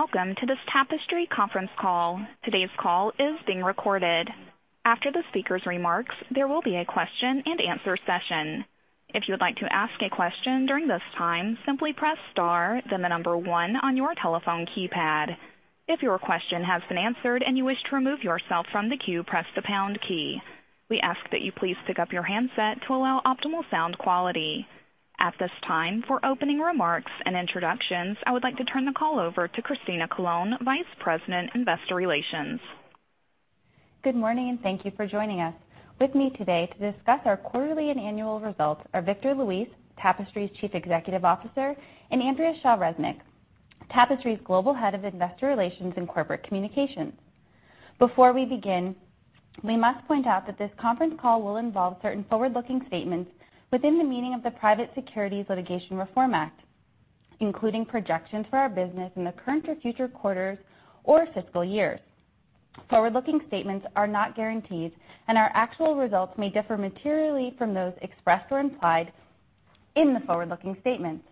Welcome to this Tapestry conference call. Today's call is being recorded. After the speakers' remarks, there will be a question-and-answer session. If you would like to ask a question during this time, simply press star, then the number one on your telephone keypad. If your question has been answered and you wish to remove yourself from the queue, press the pound key. We ask that you please pick up your handset to allow optimal sound quality. At this time, for opening remarks and introductions, I would like to turn the call over to Christina Colone, Vice President, Investor Relations. Good morning, and thank you for joining us. With me today to discuss our quarterly and annual results are Victor Luis, Tapestry's Chief Executive Officer, and Andrea Shaw Resnick, Tapestry's Global Head of Investor Relations and Corporate Communications. Before we begin, we must point out that this conference call will involve certain forward-looking statements within the meaning of the Private Securities Litigation Reform Act, including projections for our business in the current or future quarters or fiscal years. Forward-looking statements are not guarantees, and our actual results may differ materially from those expressed or implied in the forward-looking statements.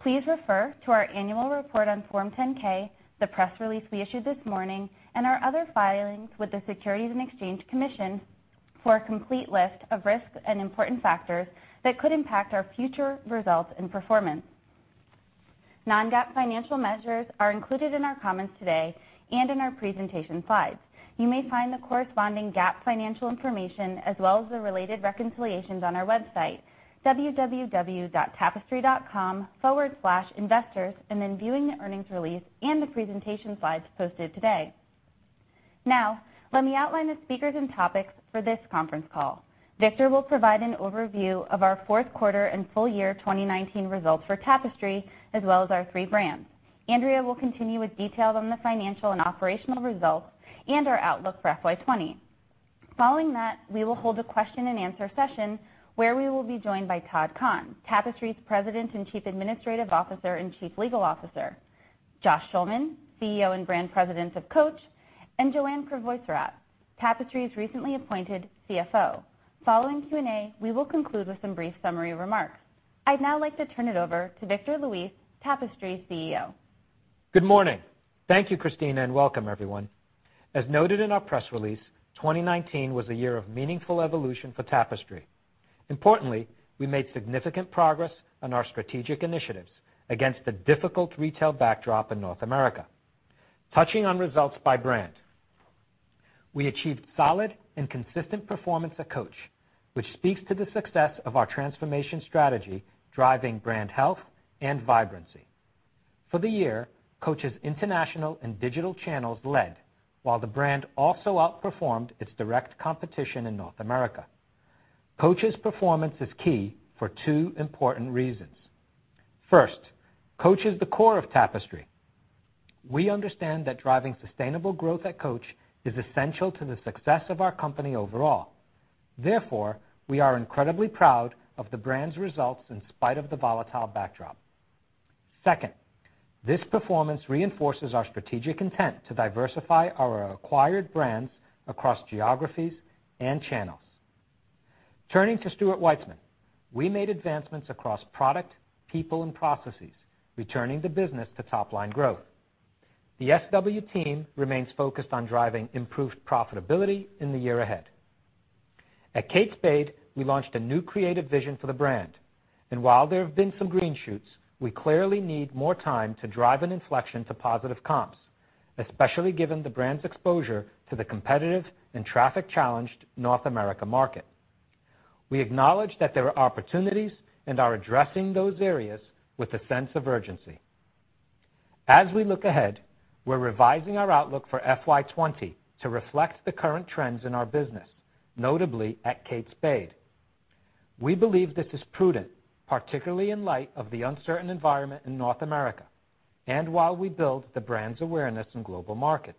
Please refer to our annual report on Form 10-K, the press release we issued this morning, and our other filings with the Securities and Exchange Commission for a complete list of risks and important factors that could impact our future results and performance. Non-GAAP financial measures are included in our comments today and in our presentation slides. You may find the corresponding GAAP financial information as well as the related reconciliations on our website, www.tapestry.com/investors, and then viewing the earnings release and the presentation slides posted today. Now, let me outline the speakers and topics for this conference call. Victor will provide an overview of our fourth quarter and full year 2019 results for Tapestry as well as our three brands. Andrea will continue with details on the financial and operational results and our outlook for FY20. Following that, we will hold a question-and-answer session where we will be joined by Todd Kahn, Tapestry's President and Chief Administrative Officer and Chief Legal Officer, Josh Schulman, CEO and Brand President of Coach, and Joanne Crevoiserat, Tapestry's recently appointed CFO. Following Q&A, we will conclude with some brief summary remarks. I'd now like to turn it over to Victor Luis, Tapestry's CEO. Good morning. Thank you, Christina, and welcome everyone. As noted in our press release, 2019 was a year of meaningful evolution for Tapestry. Importantly, we made significant progress on our strategic initiatives against a difficult retail backdrop in North America. Touching on results by brand. We achieved solid and consistent performance at Coach, which speaks to the success of our transformation strategy driving brand health and vibrancy. For the year, Coach's international and digital channels led, while the brand also outperformed its direct competition in North America. Coach's performance is key for two important reasons. First, Coach is the core of Tapestry. We understand that driving sustainable growth at Coach is essential to the success of our company overall. We are incredibly proud of the brand's results in spite of the volatile backdrop. Second, this performance reinforces our strategic intent to diversify our acquired brands across geographies and channels. Turning to Stuart Weitzman. We made advancements across product, people, and processes, returning the business to top-line growth. The SW team remains focused on driving improved profitability in the year ahead. At Kate Spade, we launched a new creative vision for the brand. While there have been some green shoots, we clearly need more time to drive an inflection to positive comps, especially given the brand's exposure to the competitive and traffic-challenged North America market. We acknowledge that there are opportunities and are addressing those areas with a sense of urgency. As we look ahead, we're revising our outlook for FY 2020 to reflect the current trends in our business, notably at Kate Spade. We believe this is prudent, particularly in light of the uncertain environment in North America and while we build the brand's awareness in global markets.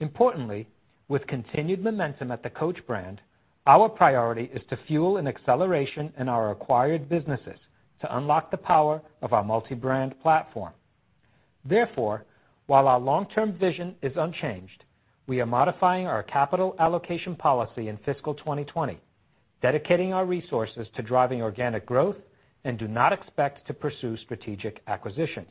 Importantly, with continued momentum at the Coach brand, our priority is to fuel an acceleration in our acquired businesses to unlock the power of our multi-brand platform. Therefore, while our long-term vision is unchanged, we are modifying our capital allocation policy in fiscal 2020, dedicating our resources to driving organic growth and do not expect to pursue strategic acquisitions.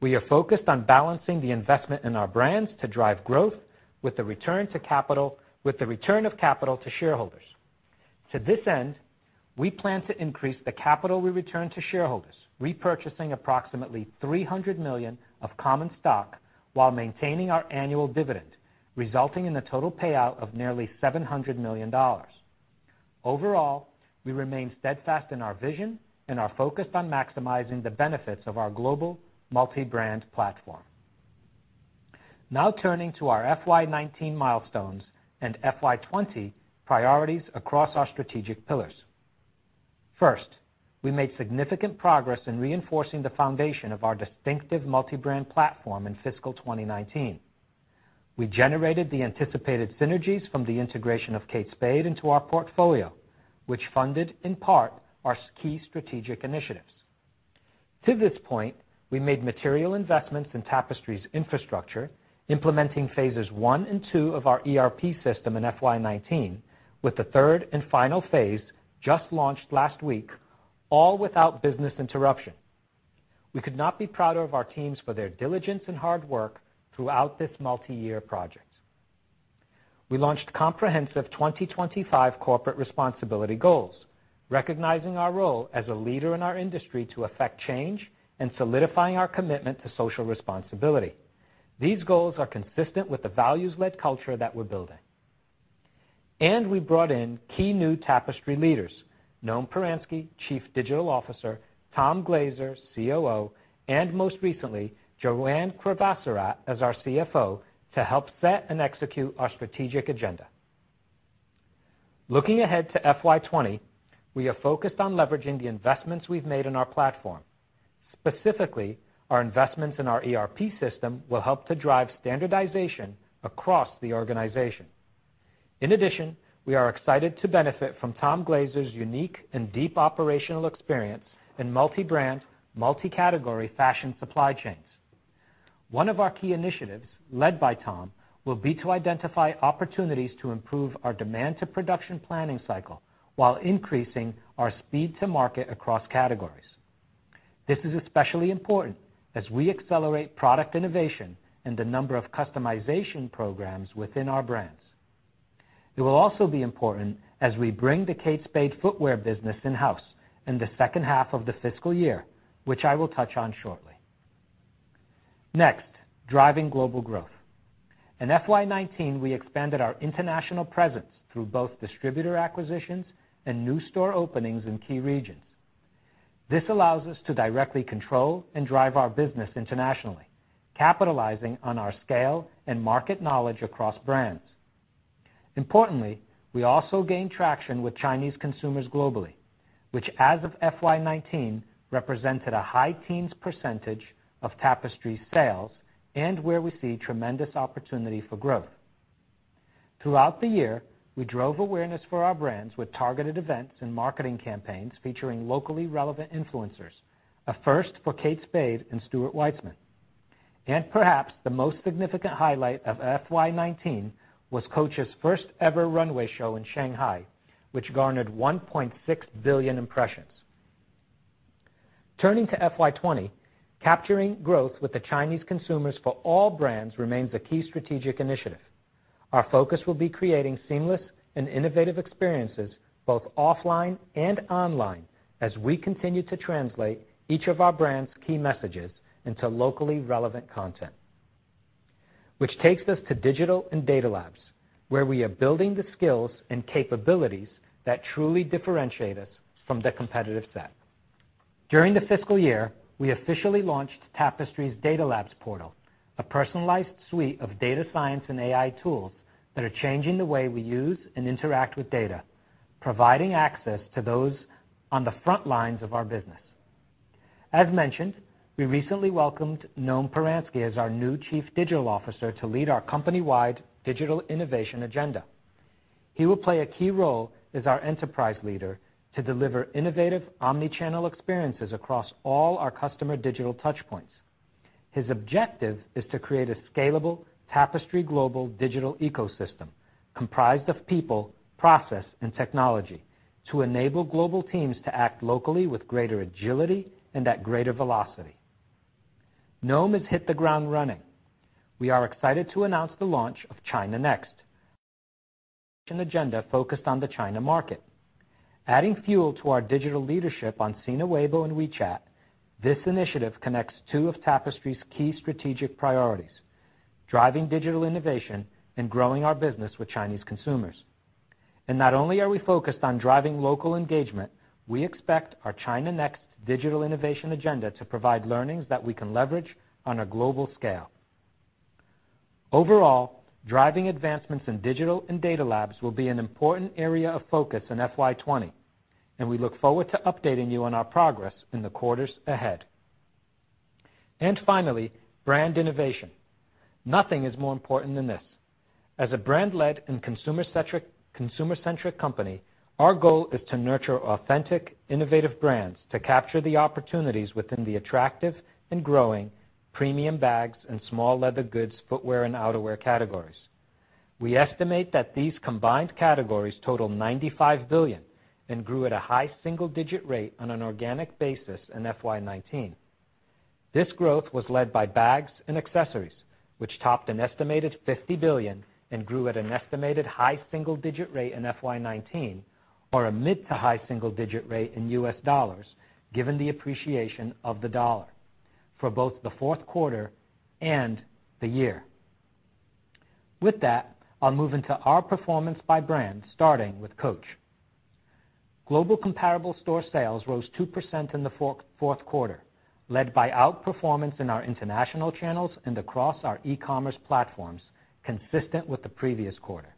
We are focused on balancing the investment in our brands to drive growth with the return of capital to shareholders. To this end, we plan to increase the capital we return to shareholders, repurchasing approximately $300 million of common stock while maintaining our annual dividend, resulting in a total payout of nearly $700 million. Overall, we remain steadfast in our vision and are focused on maximizing the benefits of our global multi-brand platform. Now turning to our FY 2019 milestones and FY 2020 priorities across our strategic pillars. First, we made significant progress in reinforcing the foundation of our distinctive multi-brand platform in fiscal 2019. We generated the anticipated synergies from the integration of Kate Spade into our portfolio, which funded, in part, our key strategic initiatives. To this point, we made material investments in Tapestry's infrastructure, implementing phases one and two of our ERP system in FY 2019, with the third and final phase just launched last week. All without business interruption. We could not be prouder of our teams for their diligence and hard work throughout this multi-year project. We launched comprehensive 2025 corporate responsibility goals, recognizing our role as a leader in our industry to affect change and solidifying our commitment to social responsibility. These goals are consistent with the values-led culture that we're building. We brought in key new Tapestry leaders, Noam Paransky, Chief Digital Officer, Tom Glaser, COO, and most recently, Joanne Crevoiserat as our CFO, to help set and execute our strategic agenda. Looking ahead to FY 2020, we are focused on leveraging the investments we've made in our platform. Specifically, our investments in our ERP system will help to drive standardization across the organization. In addition, we are excited to benefit from Tom Glaser's unique and deep operational experience in multi-brand, multi-category fashion supply chains. One of our key initiatives, led by Tom, will be to identify opportunities to improve our demand-to-production planning cycle while increasing our speed to market across categories. This is especially important as we accelerate product innovation and the number of customization programs within our brands. It will also be important as we bring the Kate Spade footwear business in-house in the second half of the fiscal year, which I will touch on shortly. Next, driving global growth. In FY 2019, we expanded our international presence through both distributor acquisitions and new store openings in key regions. This allows us to directly control and drive our business internationally, capitalizing on our scale and market knowledge across brands. Importantly, we also gained traction with Chinese consumers globally, which as of FY 2019, represented a high teens percentage of Tapestry sales and where we see tremendous opportunity for growth. Throughout the year, we drove awareness for our brands with targeted events and marketing campaigns featuring locally relevant influencers, a first for Kate Spade and Stuart Weitzman. Perhaps the most significant highlight of FY 2019 was Coach's first-ever runway show in Shanghai, which garnered 1.6 billion impressions. Turning to FY 2020, capturing growth with the Chinese consumers for all brands remains a key strategic initiative. Our focus will be creating seamless and innovative experiences, both offline and online, as we continue to translate each of our brands' key messages into locally relevant content. Which takes us to digital and Data Labs, where we are building the skills and capabilities that truly differentiate us from the competitive set. During the fiscal year, we officially launched Tapestry's Data Labs portal, a personalized suite of data science and AI tools that are changing the way we use and interact with data, providing access to those on the front lines of our business. As mentioned, we recently welcomed Noam Paransky as our new Chief Digital Officer to lead our company-wide digital innovation agenda. He will play a key role as our enterprise leader to deliver innovative omnichannel experiences across all our customer digital touchpoints. His objective is to create a scalable Tapestry global digital ecosystem comprised of people, process, and technology to enable global teams to act locally with greater agility and at greater velocity. Noam has hit the ground running. We are excited to announce the launch of China Next, an agenda focused on the China market. Adding fuel to our digital leadership on Sina Weibo and WeChat, this initiative connects two of Tapestry's key strategic priorities, driving digital innovation and growing our business with Chinese consumers. Not only are we focused on driving local engagement, we expect our China Next digital innovation agenda to provide learnings that we can leverage on a global scale. Overall, driving advancements in digital and Data Labs will be an important area of focus in FY 2020, and we look forward to updating you on our progress in the quarters ahead. Finally, brand innovation. Nothing is more important than this. As a brand-led and consumer-centric company, our goal is to nurture authentic, innovative brands to capture the opportunities within the attractive and growing premium bags and small leather goods, footwear, and outerwear categories. We estimate that these combined categories total $95 billion and grew at a high single-digit rate on an organic basis in FY 2019. This growth was led by bags and accessories, which topped an estimated $50 billion and grew at an estimated high single-digit rate in FY 2019 or a mid-to-high single-digit rate in US dollars, given the appreciation of the dollar for both the fourth quarter and the year. With that, I'll move into our performance by brand, starting with Coach. Global comparable store sales rose 2% in the fourth quarter, led by outperformance in our international channels and across our e-commerce platforms, consistent with the previous quarter.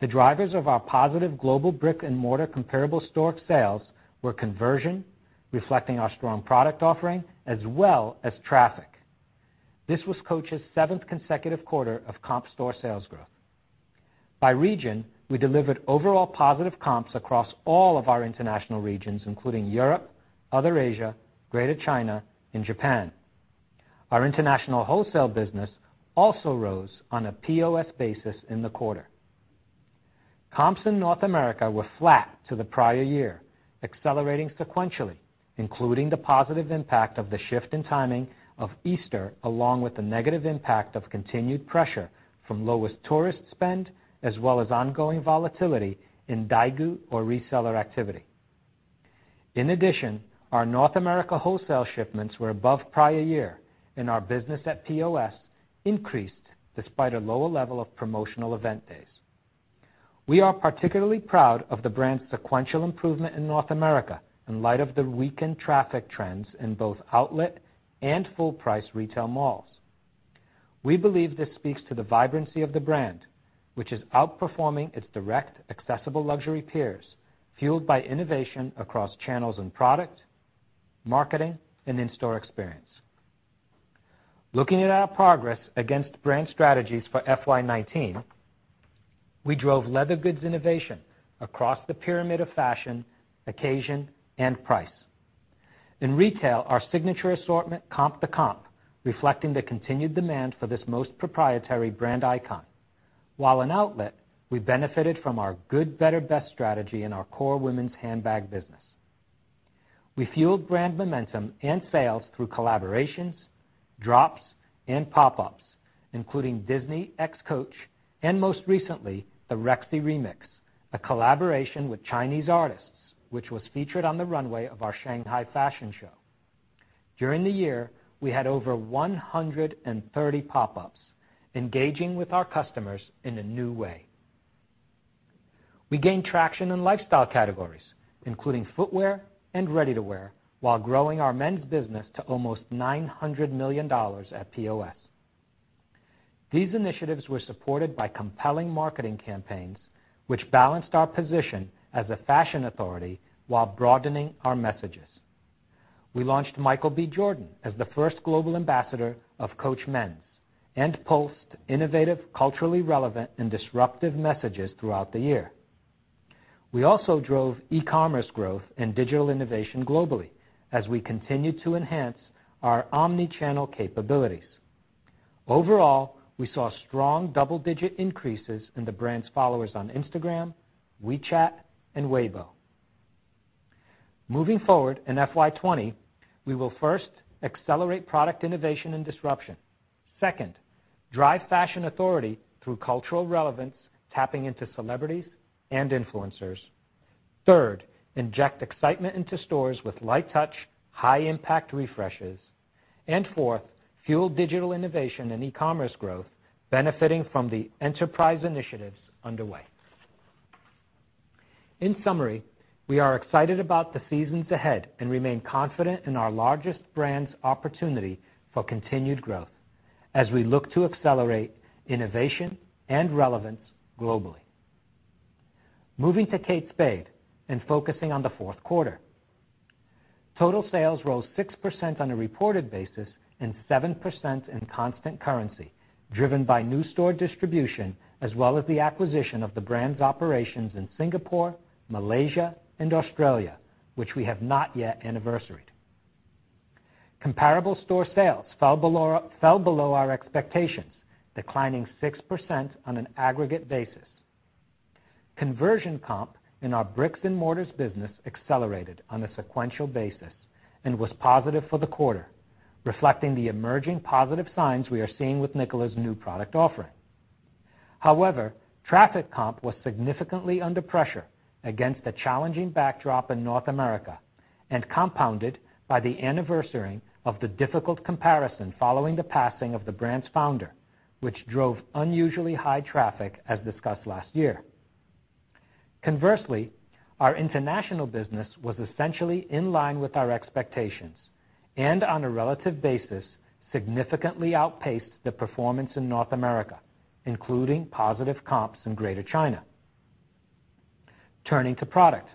The drivers of our positive global brick-and-mortar comparable store sales were conversion, reflecting our strong product offering, as well as traffic. This was Coach's seventh consecutive quarter of comp store sales growth. By region, we delivered overall positive comps across all of our international regions, including Europe, Other Asia, Greater China, and Japan. Our international wholesale business also rose on a POS basis in the quarter. Comps in North America were flat to the prior year, accelerating sequentially, including the positive impact of the shift in timing of Easter, along with the negative impact of continued pressure from lowest tourist spend, as well as ongoing volatility in Daigou or reseller activity. In addition, our North America wholesale shipments were above prior year, and our business at POS increased despite a lower level of promotional event days. We are particularly proud of the brand's sequential improvement in North America in light of the weakened traffic trends in both outlet and full-price retail malls. We believe this speaks to the vibrancy of the brand, which is outperforming its direct accessible luxury peers, fueled by innovation across channels and product, marketing, and in-store experience. Looking at our progress against brand strategies for FY 2019, we drove leather goods innovation across the pyramid of fashion, occasion, and price. In retail, our Signature assortment comped the comp, reflecting the continued demand for this most proprietary brand icon. While in outlet, we benefited from our good, better, best strategy in our core women's handbag business. We fueled brand momentum and sales through collaborations, drops, and pop-ups, including Disney x Coach, and most recently, the Rexy Remix, a collaboration with Chinese artists, which was featured on the runway of our Shanghai fashion show. During the year, we had over 130 pop-ups engaging with our customers in a new way. We gained traction in lifestyle categories, including footwear and ready-to-wear, while growing our men's business to almost $900 million at POS. These initiatives were supported by compelling marketing campaigns, which balanced our position as a fashion authority while broadening our messages. We launched Michael B. Jordan as the first global ambassador of Coach Men's and pulsed innovative, culturally relevant, and disruptive messages throughout the year. We also drove e-commerce growth and digital innovation globally as we continued to enhance our omni-channel capabilities. Overall, we saw strong double-digit increases in the brand's followers on Instagram, WeChat, and Weibo. Moving forward in FY 2020, we will first accelerate product innovation and disruption. Second, drive fashion authority through cultural relevance, tapping into celebrities and influencers. Third, inject excitement into stores with light touch, high impact refreshes. Fourth, fuel digital innovation and e-commerce growth, benefiting from the enterprise initiatives underway. In summary, we are excited about the seasons ahead and remain confident in our largest brand's opportunity for continued growth as we look to accelerate innovation and relevance globally. Moving to Kate Spade and focusing on the fourth quarter. Total sales rose 6% on a reported basis and 7% in constant currency, driven by new store distribution as well as the acquisition of the brand's operations in Singapore, Malaysia, and Australia, which we have not yet anniversaried. Comparable store sales fell below our expectations, declining 6% on an aggregate basis. Conversion comp in our bricks-and-mortars business accelerated on a sequential basis and was positive for the quarter, reflecting the emerging positive signs we are seeing with Nicola's new product offering. traffic comp was significantly under pressure against a challenging backdrop in North America and compounded by the anniversary of the difficult comparison following the passing of the brand's founder, which drove unusually high traffic, as discussed last year. Conversely, our international business was essentially in line with our expectations and on a relative basis, significantly outpaced the performance in North America, including positive comps in Greater China. Turning to product.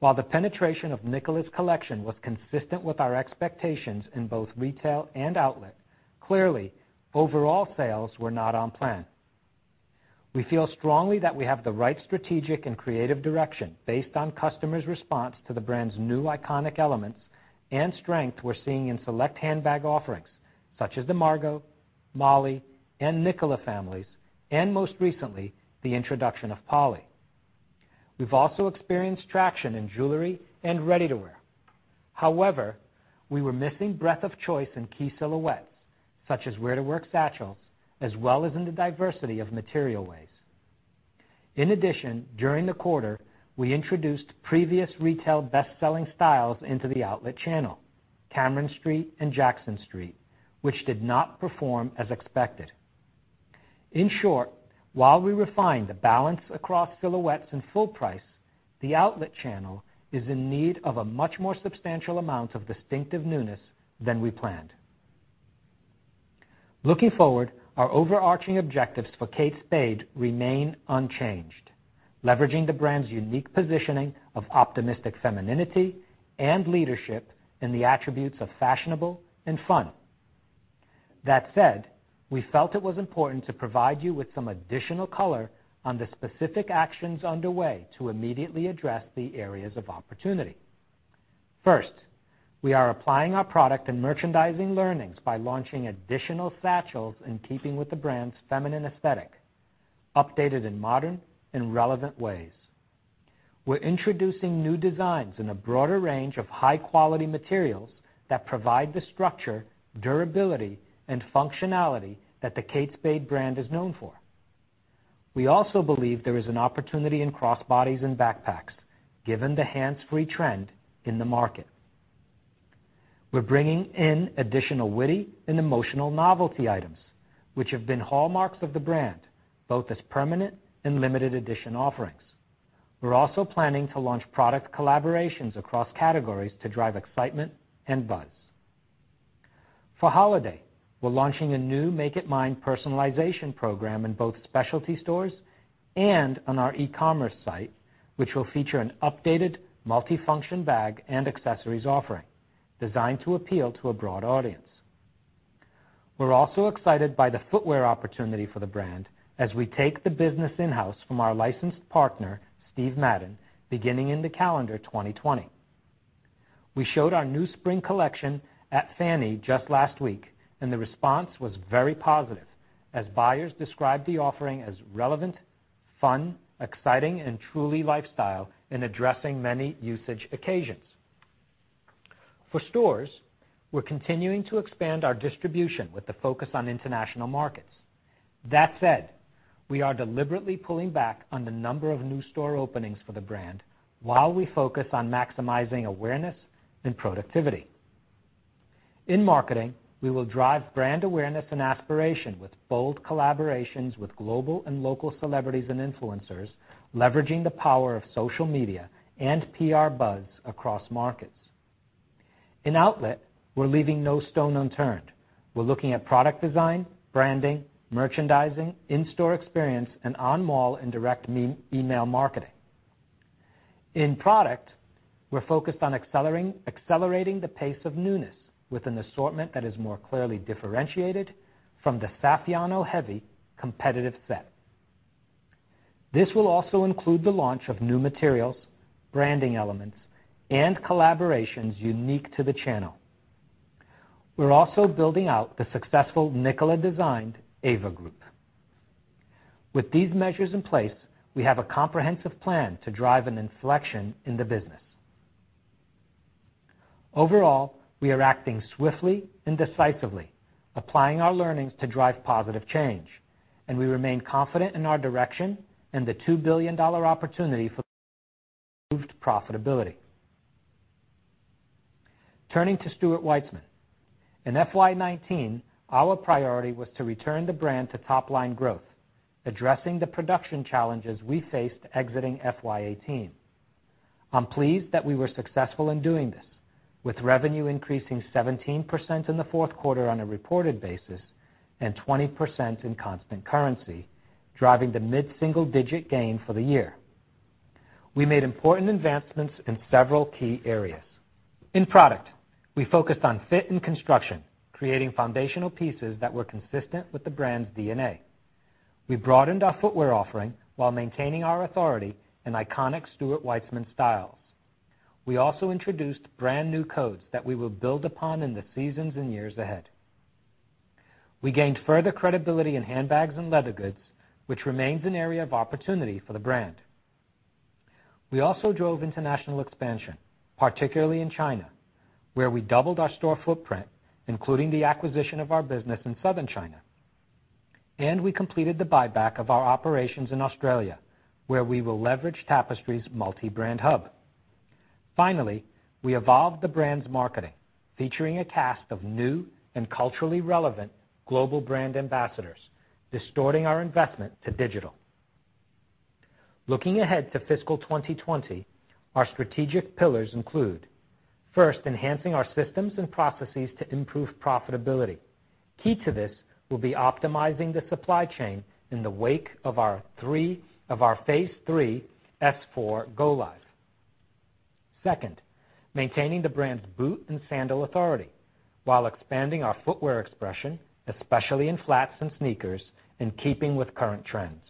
While the penetration of Nicola's collection was consistent with our expectations in both retail and outlet, clearly, overall sales were not on plan. We feel strongly that we have the right strategic and creative direction based on customers' response to the brand's new iconic elements and strength we're seeing in select handbag offerings, such as the Margot, Molly, and Nicola families, and most recently, the introduction of Polly. We've also experienced traction in jewelry and ready-to-wear. We were missing breadth of choice in key silhouettes, such as wear-to-work satchels, as well as in the diversity of material ways. In addition, during the quarter, we introduced previous retail best-selling styles into the outlet channel, Cameron Street and Jackson Street, which did not perform as expected. In short, while we refined the balance across silhouettes in full price, the outlet channel is in need of a much more substantial amount of distinctive newness than we planned. Looking forward, our overarching objectives for Kate Spade remain unchanged, leveraging the brand's unique positioning of optimistic femininity and leadership in the attributes of fashionable and fun. We felt it was important to provide you with some additional color on the specific actions underway to immediately address the areas of opportunity. First, we are applying our product and merchandising learnings by launching additional satchels in keeping with the brand's feminine aesthetic, updated in modern and relevant ways. We're introducing new designs in a broader range of high-quality materials that provide the structure, durability, and functionality that the Kate Spade brand is known for. We also believe there is an opportunity in crossbodies and backpacks, given the hands-free trend in the market. We're bringing in additional witty and emotional novelty items, which have been hallmarks of the brand, both as permanent and limited edition offerings. We're also planning to launch product collaborations across categories to drive excitement and buzz. For holiday, we're launching a new Make It Mine personalization program in both specialty stores and on our e-commerce site, which will feature an updated multifunction bag and accessories offering designed to appeal to a broad audience. We're also excited by the footwear opportunity for the brand as we take the business in-house from our licensed partner, Steve Madden, beginning in the calendar 2020. We showed our new spring collection at Fanny just last week, and the response was very positive, as buyers described the offering as relevant, fun, exciting, and truly lifestyle in addressing many usage occasions. For stores, we're continuing to expand our distribution with the focus on international markets. That said, we are deliberately pulling back on the number of new store openings for the brand while we focus on maximizing awareness and productivity. In marketing, we will drive brand awareness and aspiration with bold collaborations with global and local celebrities and influencers, leveraging the power of social media and PR buzz across markets. In outlet, we're leaving no stone unturned. We're looking at product design, branding, merchandising, in-store experience, and on-mall and direct email marketing. In product, we're focused on accelerating the pace of newness with an assortment that is more clearly differentiated from the Saffiano-heavy competitive set. This will also include the launch of new materials, branding elements, and collaborations unique to the channel. We're also building out the successful Nicola-designed Ava group. With these measures in place, we have a comprehensive plan to drive an inflection in the business. Overall, we are acting swiftly and decisively, applying our learnings to drive positive change, and we remain confident in our direction and the $2 billion opportunity for improved profitability. Turning to Stuart Weitzman. In FY 2019, our priority was to return the brand to top-line growth, addressing the production challenges we faced exiting FY 2018. I'm pleased that we were successful in doing this, with revenue increasing 17% in the fourth quarter on a reported basis and 20% in constant currency, driving the mid-single-digit gain for the year. We made important advancements in several key areas. In product, we focused on fit and construction, creating foundational pieces that were consistent with the brand's DNA. We broadened our footwear offering while maintaining our authority in iconic Stuart Weitzman styles. We also introduced brand-new codes that we will build upon in the seasons and years ahead. We gained further credibility in handbags and leather goods, which remains an area of opportunity for the brand. We also drove international expansion, particularly in China, where we doubled our store footprint, including the acquisition of our business in Southern China. We completed the buyback of our operations in Australia, where we will leverage Tapestry's multi-brand hub. Finally, we evolved the brand's marketing, featuring a cast of new and culturally relevant global brand ambassadors, directing our investment to digital. Looking ahead to fiscal 2020, our strategic pillars include, first, enhancing our systems and processes to improve profitability. Key to this will be optimizing the supply chain in the wake of our phase 3 S/4 go-live. Second, maintaining the brand's boot and sandal authority while expanding our footwear expression, especially in flats and sneakers, in keeping with current trends.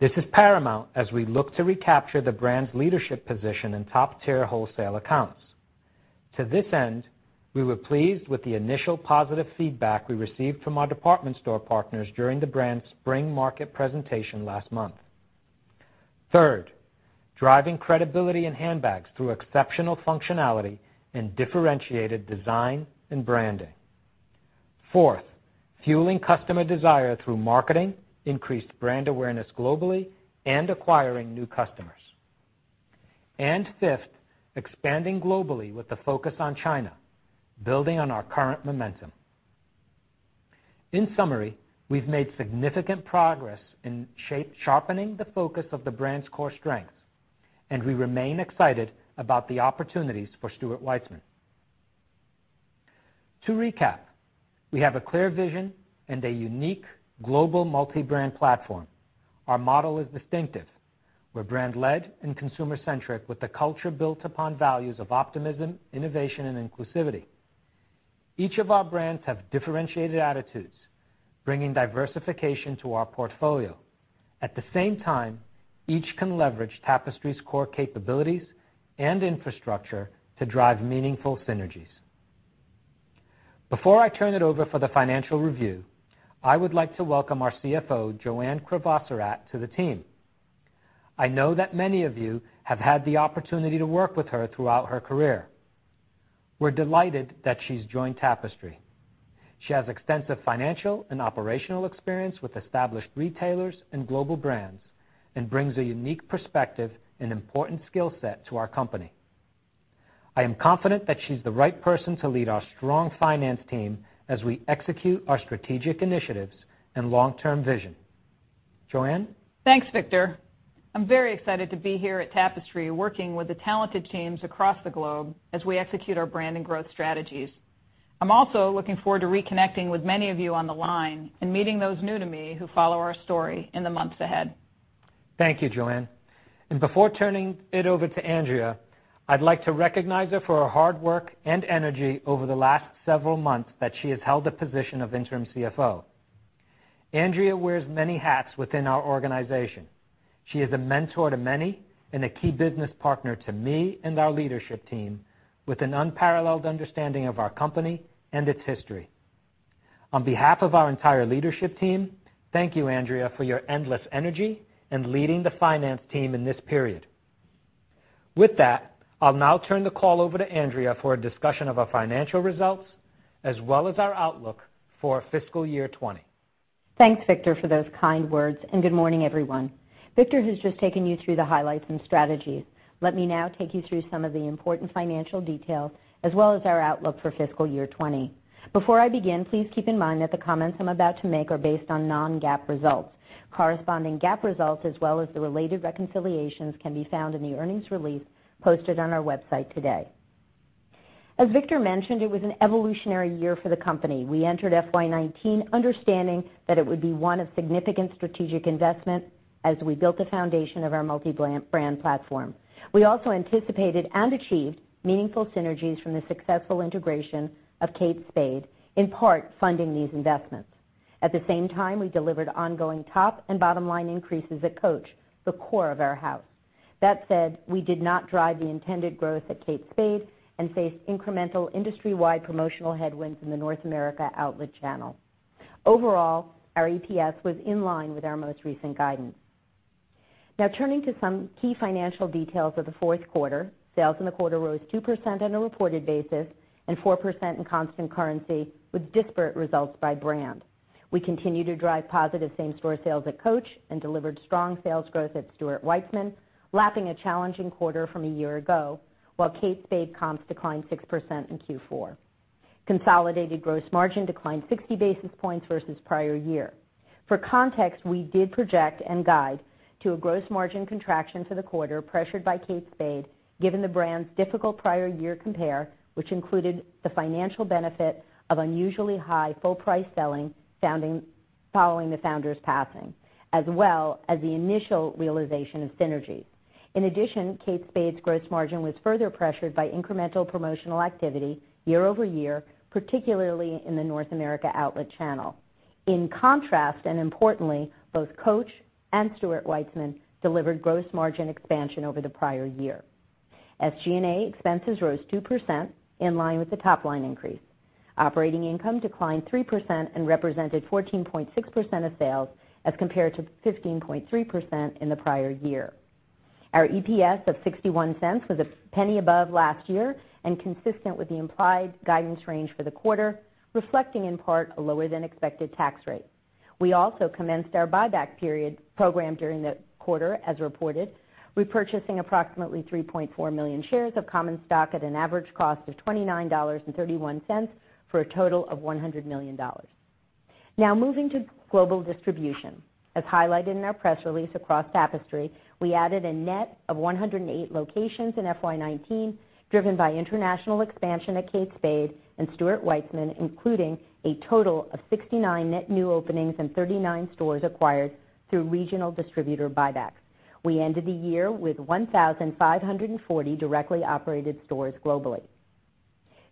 This is paramount as we look to recapture the brand's leadership position in top-tier wholesale accounts. To this end, we were pleased with the initial positive feedback we received from our department store partners during the brand spring market presentation last month. Third, driving credibility in handbags through exceptional functionality and differentiated design and branding. Fourth, fueling customer desire through marketing, increased brand awareness globally, and acquiring new customers. Fifth, expanding globally with the focus on China, building on our current momentum. In summary, we've made significant progress in sharpening the focus of the brand's core strengths, and we remain excited about the opportunities for Stuart Weitzman. To recap, we have a clear vision and a unique global multi-brand platform. Our model is distinctive. We're brand-led and consumer-centric with the culture built upon values of optimism, innovation, and inclusivity. Each of our brands have differentiated attitudes, bringing diversification to our portfolio. At the same time, each can leverage Tapestry's core capabilities and infrastructure to drive meaningful synergies. Before I turn it over for the financial review, I would like to welcome our CFO, Joanne Crevoiserat, to the team. I know that many of you have had the opportunity to work with her throughout her career. We're delighted that she's joined Tapestry. She has extensive financial and operational experience with established retailers and global brands and brings a unique perspective and important skill set to our company. I am confident that she's the right person to lead our strong finance team as we execute our strategic initiatives and long-term vision. Joanne? Thanks, Victor. I'm very excited to be here at Tapestry, working with the talented teams across the globe as we execute our brand and growth strategies. I'm also looking forward to reconnecting with many of you on the line and meeting those new to me who follow our story in the months ahead. Thank you, Joanne. Before turning it over to Andrea, I'd like to recognize her for her hard work and energy over the last several months that she has held the position of interim CFO. Andrea wears many hats within our organization. She is a mentor to many and a key business partner to me and our leadership team, with an unparalleled understanding of our company and its history. On behalf of our entire leadership team, thank you, Andrea, for your endless energy and leading the finance team in this period. With that, I'll now turn the call over to Andrea for a discussion of our financial results, as well as our outlook for fiscal year 2020. Thanks, Victor, for those kind words, and good morning, everyone. Victor has just taken you through the highlights and strategies. Let me now take you through some of the important financial details, as well as our outlook for fiscal year 2020. Before I begin, please keep in mind that the comments I'm about to make are based on non-GAAP results. Corresponding GAAP results, as well as the related reconciliations, can be found in the earnings release posted on our website today. As Victor mentioned, it was an evolutionary year for the company. We entered FY 2019 understanding that it would be one of significant strategic investment as we built the foundation of our multi-brand platform. We also anticipated and achieved meaningful synergies from the successful integration of Kate Spade, in part funding these investments. At the same time, we delivered ongoing top and bottom-line increases at Coach, the core of our house. That said, we did not drive the intended growth at Kate Spade and faced incremental industry-wide promotional headwinds in the North America outlet channel. Overall, our EPS was in line with our most recent guidance. Now turning to some key financial details of the fourth quarter. Sales in the quarter rose 2% on a reported basis and 4% in constant currency, with disparate results by brand. We continue to drive positive same-store sales at Coach and delivered strong sales growth at Stuart Weitzman, lapping a challenging quarter from a year ago, while Kate Spade comps declined 6% in Q4. Consolidated gross margin declined 60 basis points versus prior year. For context, we did project and guide to a gross margin contraction for the quarter pressured by Kate Spade, given the brand's difficult prior year compare, which included the financial benefit of unusually high full-price selling following the founder's passing, as well as the initial realization of synergies. In addition, Kate Spade's gross margin was further pressured by incremental promotional activity year-over-year, particularly in the North America outlet channel. In contrast, and importantly, both Coach and Stuart Weitzman delivered gross margin expansion over the prior year. SG&A expenses rose 2%, in line with the top-line increase. Operating income declined 3% and represented 14.6% of sales as compared to 15.3% in the prior year. Our EPS of $0.61 was $0.01 above last year and consistent with the implied guidance range for the quarter, reflecting in part a lower-than-expected tax rate. We also commenced our buyback program during the quarter, as reported, repurchasing approximately 3.4 million shares of common stock at an average cost of $29.31 for a total of $100 million. Now moving to global distribution. As highlighted in our press release across Tapestry, we added a net of 108 locations in FY 2019, driven by international expansion at Kate Spade and Stuart Weitzman, including a total of 69 net new openings and 39 stores acquired through regional distributor buybacks. We ended the year with 1,540 directly operated stores globally.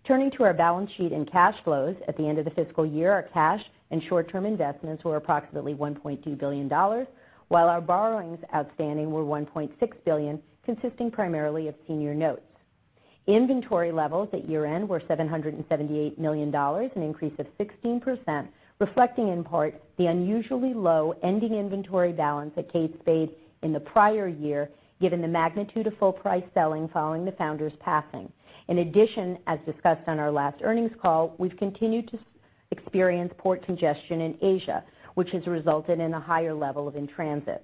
Turning to our balance sheet and cash flows. At the end of the fiscal year, our cash and short-term investments were approximately $1.2 billion, while our borrowings outstanding were $1.6 billion, consisting primarily of senior notes. Inventory levels at year-end were $778 million, an increase of 16%, reflecting in part the unusually low ending inventory balance at Kate Spade in the prior year, given the magnitude of full-price selling following the founder's passing. In addition, as discussed on our last earnings call, we've continued to experience port congestion in Asia, which has resulted in a higher level of in-transit.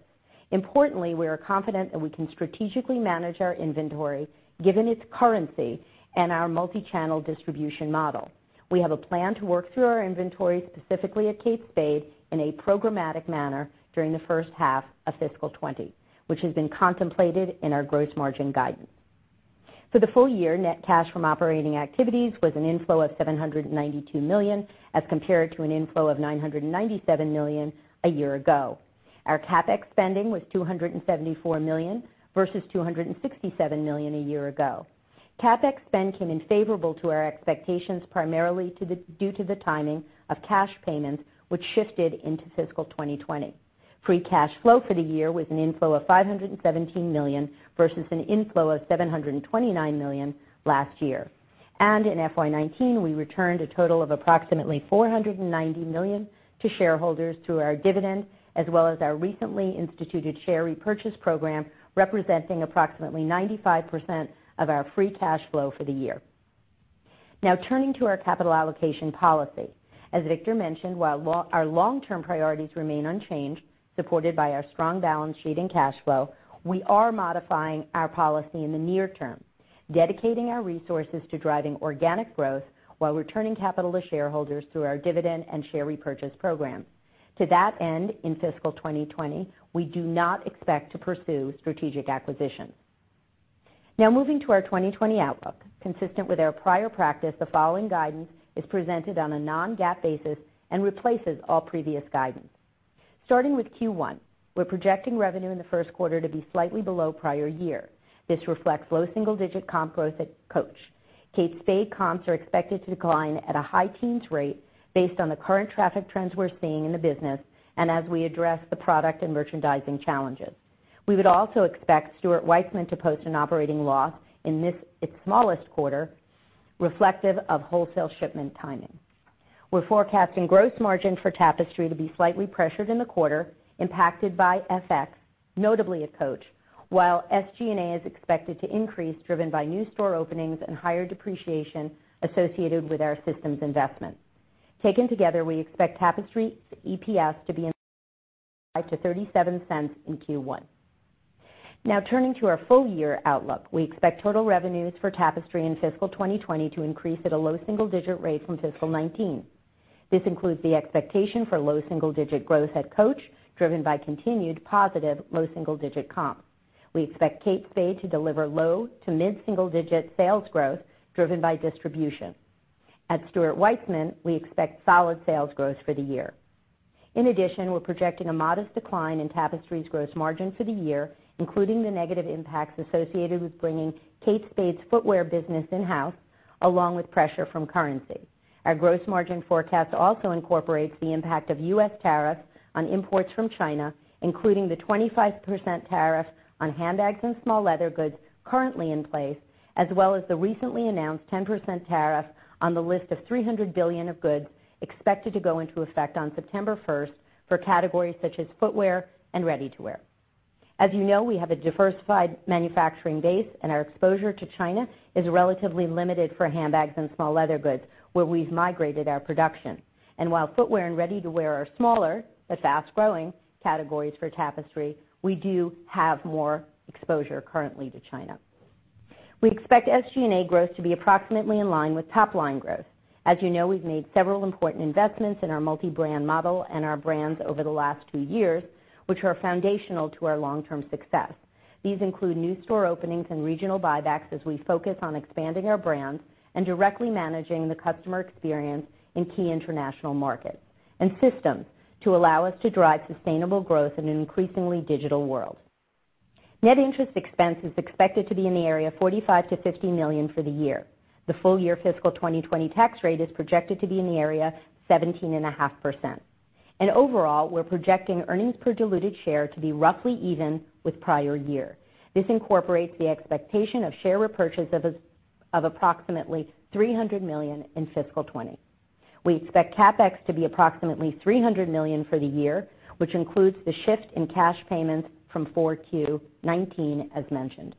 Importantly, we are confident that we can strategically manage our inventory, given its currency and our multi-channel distribution model. We have a plan to work through our inventory, specifically at Kate Spade, in a programmatic manner during the first half of fiscal 2020, which has been contemplated in our gross margin guidance. For the full year, net cash from operating activities was an inflow of $792 million as compared to an inflow of $997 million a year ago. Our CapEx spending was $274 million versus $267 million a year ago. CapEx spend came in favorable to our expectations, primarily due to the timing of cash payments, which shifted into fiscal 2020. Free cash flow for the year was an inflow of $517 million versus an inflow of $729 million last year. In FY 2019, we returned a total of approximately $490 million to shareholders through our dividend, as well as our recently instituted share repurchase program, representing approximately 95% of our free cash flow for the year. Now, turning to our capital allocation policy. As Victor mentioned, while our long-term priorities remain unchanged, supported by our strong balance sheet and cash flow, we are modifying our policy in the near term, dedicating our resources to driving organic growth while returning capital to shareholders through our dividend and share repurchase program. To that end, in fiscal 2020, we do not expect to pursue strategic acquisitions. Now moving to our 2020 outlook. Consistent with our prior practice, the following guidance is presented on a non-GAAP basis and replaces all previous guidance. Starting with Q1, we're projecting revenue in the first quarter to be slightly below prior year. This reflects low single-digit comp growth at Coach. Kate Spade comps are expected to decline at a high teens rate, based on the current traffic trends we're seeing in the business and as we address the product and merchandising challenges. We would also expect Stuart Weitzman to post an operating loss in its smallest quarter, reflective of wholesale shipment timing. We're forecasting gross margin for Tapestry to be slightly pressured in the quarter, impacted by FX, notably at Coach, while SG&A is expected to increase, driven by new store openings and higher depreciation associated with our systems investment. Taken together, we expect Tapestry's EPS to be in $0.35-$0.37 in Q1. Now turning to our full-year outlook. We expect total revenues for Tapestry in fiscal 2020 to increase at a low single-digit rate from fiscal 2019. This includes the expectation for low double-digit growth at Coach, driven by continued positive low single-digit comps. We expect Kate Spade to deliver low to mid-single-digit sales growth, driven by distribution. At Stuart Weitzman, we expect solid sales growth for the year. In addition, we're projecting a modest decline in Tapestry's gross margin for the year, including the negative impacts associated with bringing Kate Spade's footwear business in-house, along with pressure from currency. Our gross margin forecast also incorporates the impact of U.S. tariffs on imports from China, including the 25% tariff on handbags and small leather goods currently in place, as well as the recently announced 10% tariff on the list of 300 billion of goods expected to go into effect on September 1st for categories such as footwear and ready-to-wear. As you know, we have a diversified manufacturing base, and our exposure to China is relatively limited for handbags and small leather goods, where we've migrated our production. While footwear and ready-to-wear are smaller, but fast-growing categories for Tapestry, we do have more exposure currently to China. We expect SG&A growth to be approximately in line with top line growth. As you know, we've made several important investments in our multi-brand model and our brands over the last two years, which are foundational to our long-term success. These include new store openings and regional buybacks as we focus on expanding our brands and directly managing the customer experience in key international markets, and systems to allow us to drive sustainable growth in an increasingly digital world. Net interest expense is expected to be in the area of $45 million-$50 million for the year. The full-year fiscal 2020 tax rate is projected to be in the area 17.5%. Overall, we're projecting earnings per diluted share to be roughly even with prior year. This incorporates the expectation of share repurchase of approximately $300 million in fiscal 2020. We expect CapEx to be approximately $300 million for the year, which includes the shift in cash payments from 4Q 2019, as mentioned.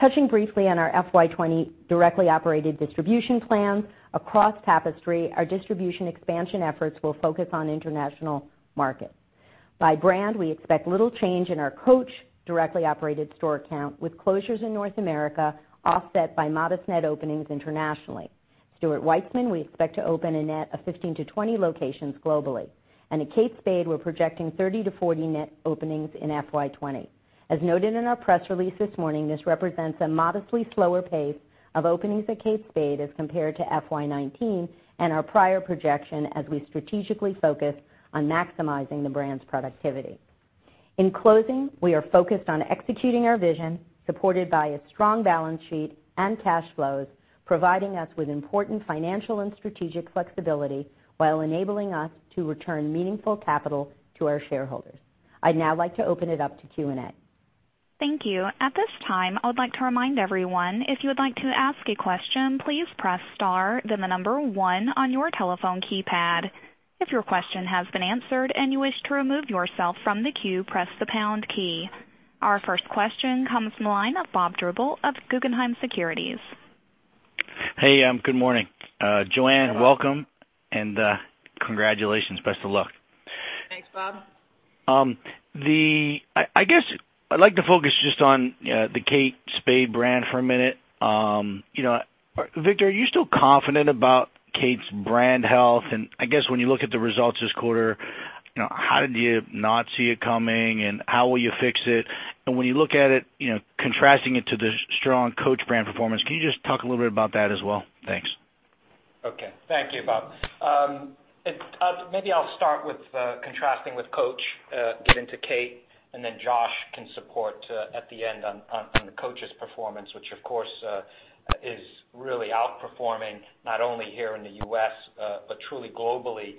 Touching briefly on our FY 2020 directly operated distribution plans. Across Tapestry, our distribution expansion efforts will focus on international markets. By brand, we expect little change in our Coach directly operated store count, with closures in North America offset by modest net openings internationally. Stuart Weitzman, we expect to open a net of 15-20 locations globally. At Kate Spade, we're projecting 30-40 net openings in FY 2020. As noted in our press release this morning, this represents a modestly slower pace of openings at Kate Spade as compared to FY 2019 and our prior projection as we strategically focus on maximizing the brand's productivity. In closing, we are focused on executing our vision, supported by a strong balance sheet and cash flows, providing us with important financial and strategic flexibility while enabling us to return meaningful capital to our shareholders. I'd now like to open it up to Q&A. Thank you. At this time, I would like to remind everyone, if you would like to ask a question, please press star, then the number one on your telephone keypad. If your question has been answered and you wish to remove yourself from the queue, press the pound key. Our first question comes from the line of Bob Drbul of Guggenheim Securities. Hey, good morning. Joanne, welcome, and congratulations. Best of luck. Thanks, Bob. I'd like to focus just on the Kate Spade brand for a minute. Victor, are you still confident about Kate's brand health? When you look at the results this quarter, how did you not see it coming, and how will you fix it? When you look at it, contrasting it to the strong Coach brand performance, can you just talk a little bit about that as well? Thanks. Okay. Thank you, Bob. Maybe I'll start with contrasting with Coach, get into Kate, and then Josh can support at the end on the Coach's performance, which of course is really outperforming, not only here in the U.S., but truly globally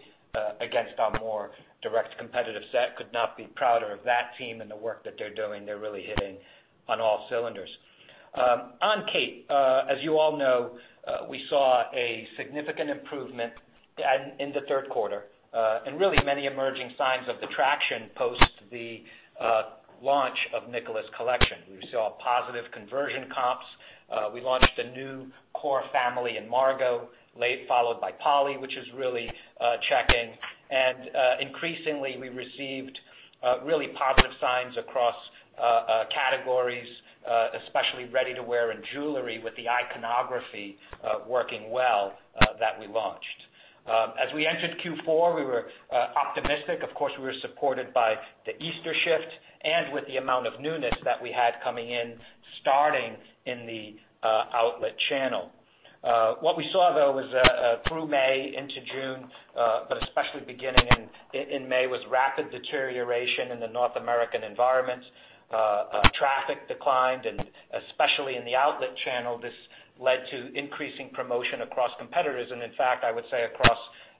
against our more direct competitive set. Could not be prouder of that team and the work that they're doing. They're really hitting on all cylinders. On Kate, as you all know, we saw a significant improvement in the third quarter, and really many emerging signs of the traction post the launch of Nicola's collection. We saw positive conversion comps. We launched a new core family in Margot, followed by Polly, which is really checking. Increasingly, we received really positive signs across categories, especially ready-to-wear and jewelry with the iconography working well that we launched. As we entered Q4, we were optimistic. Of course, we were supported by the Easter shift and with the amount of newness that we had coming in, starting in the outlet channel. What we saw, though, was through May into June, but especially beginning in May, was rapid deterioration in the North American environment. Traffic declined, and especially in the outlet channel, this led to increasing promotion across competitors and, in fact, I would say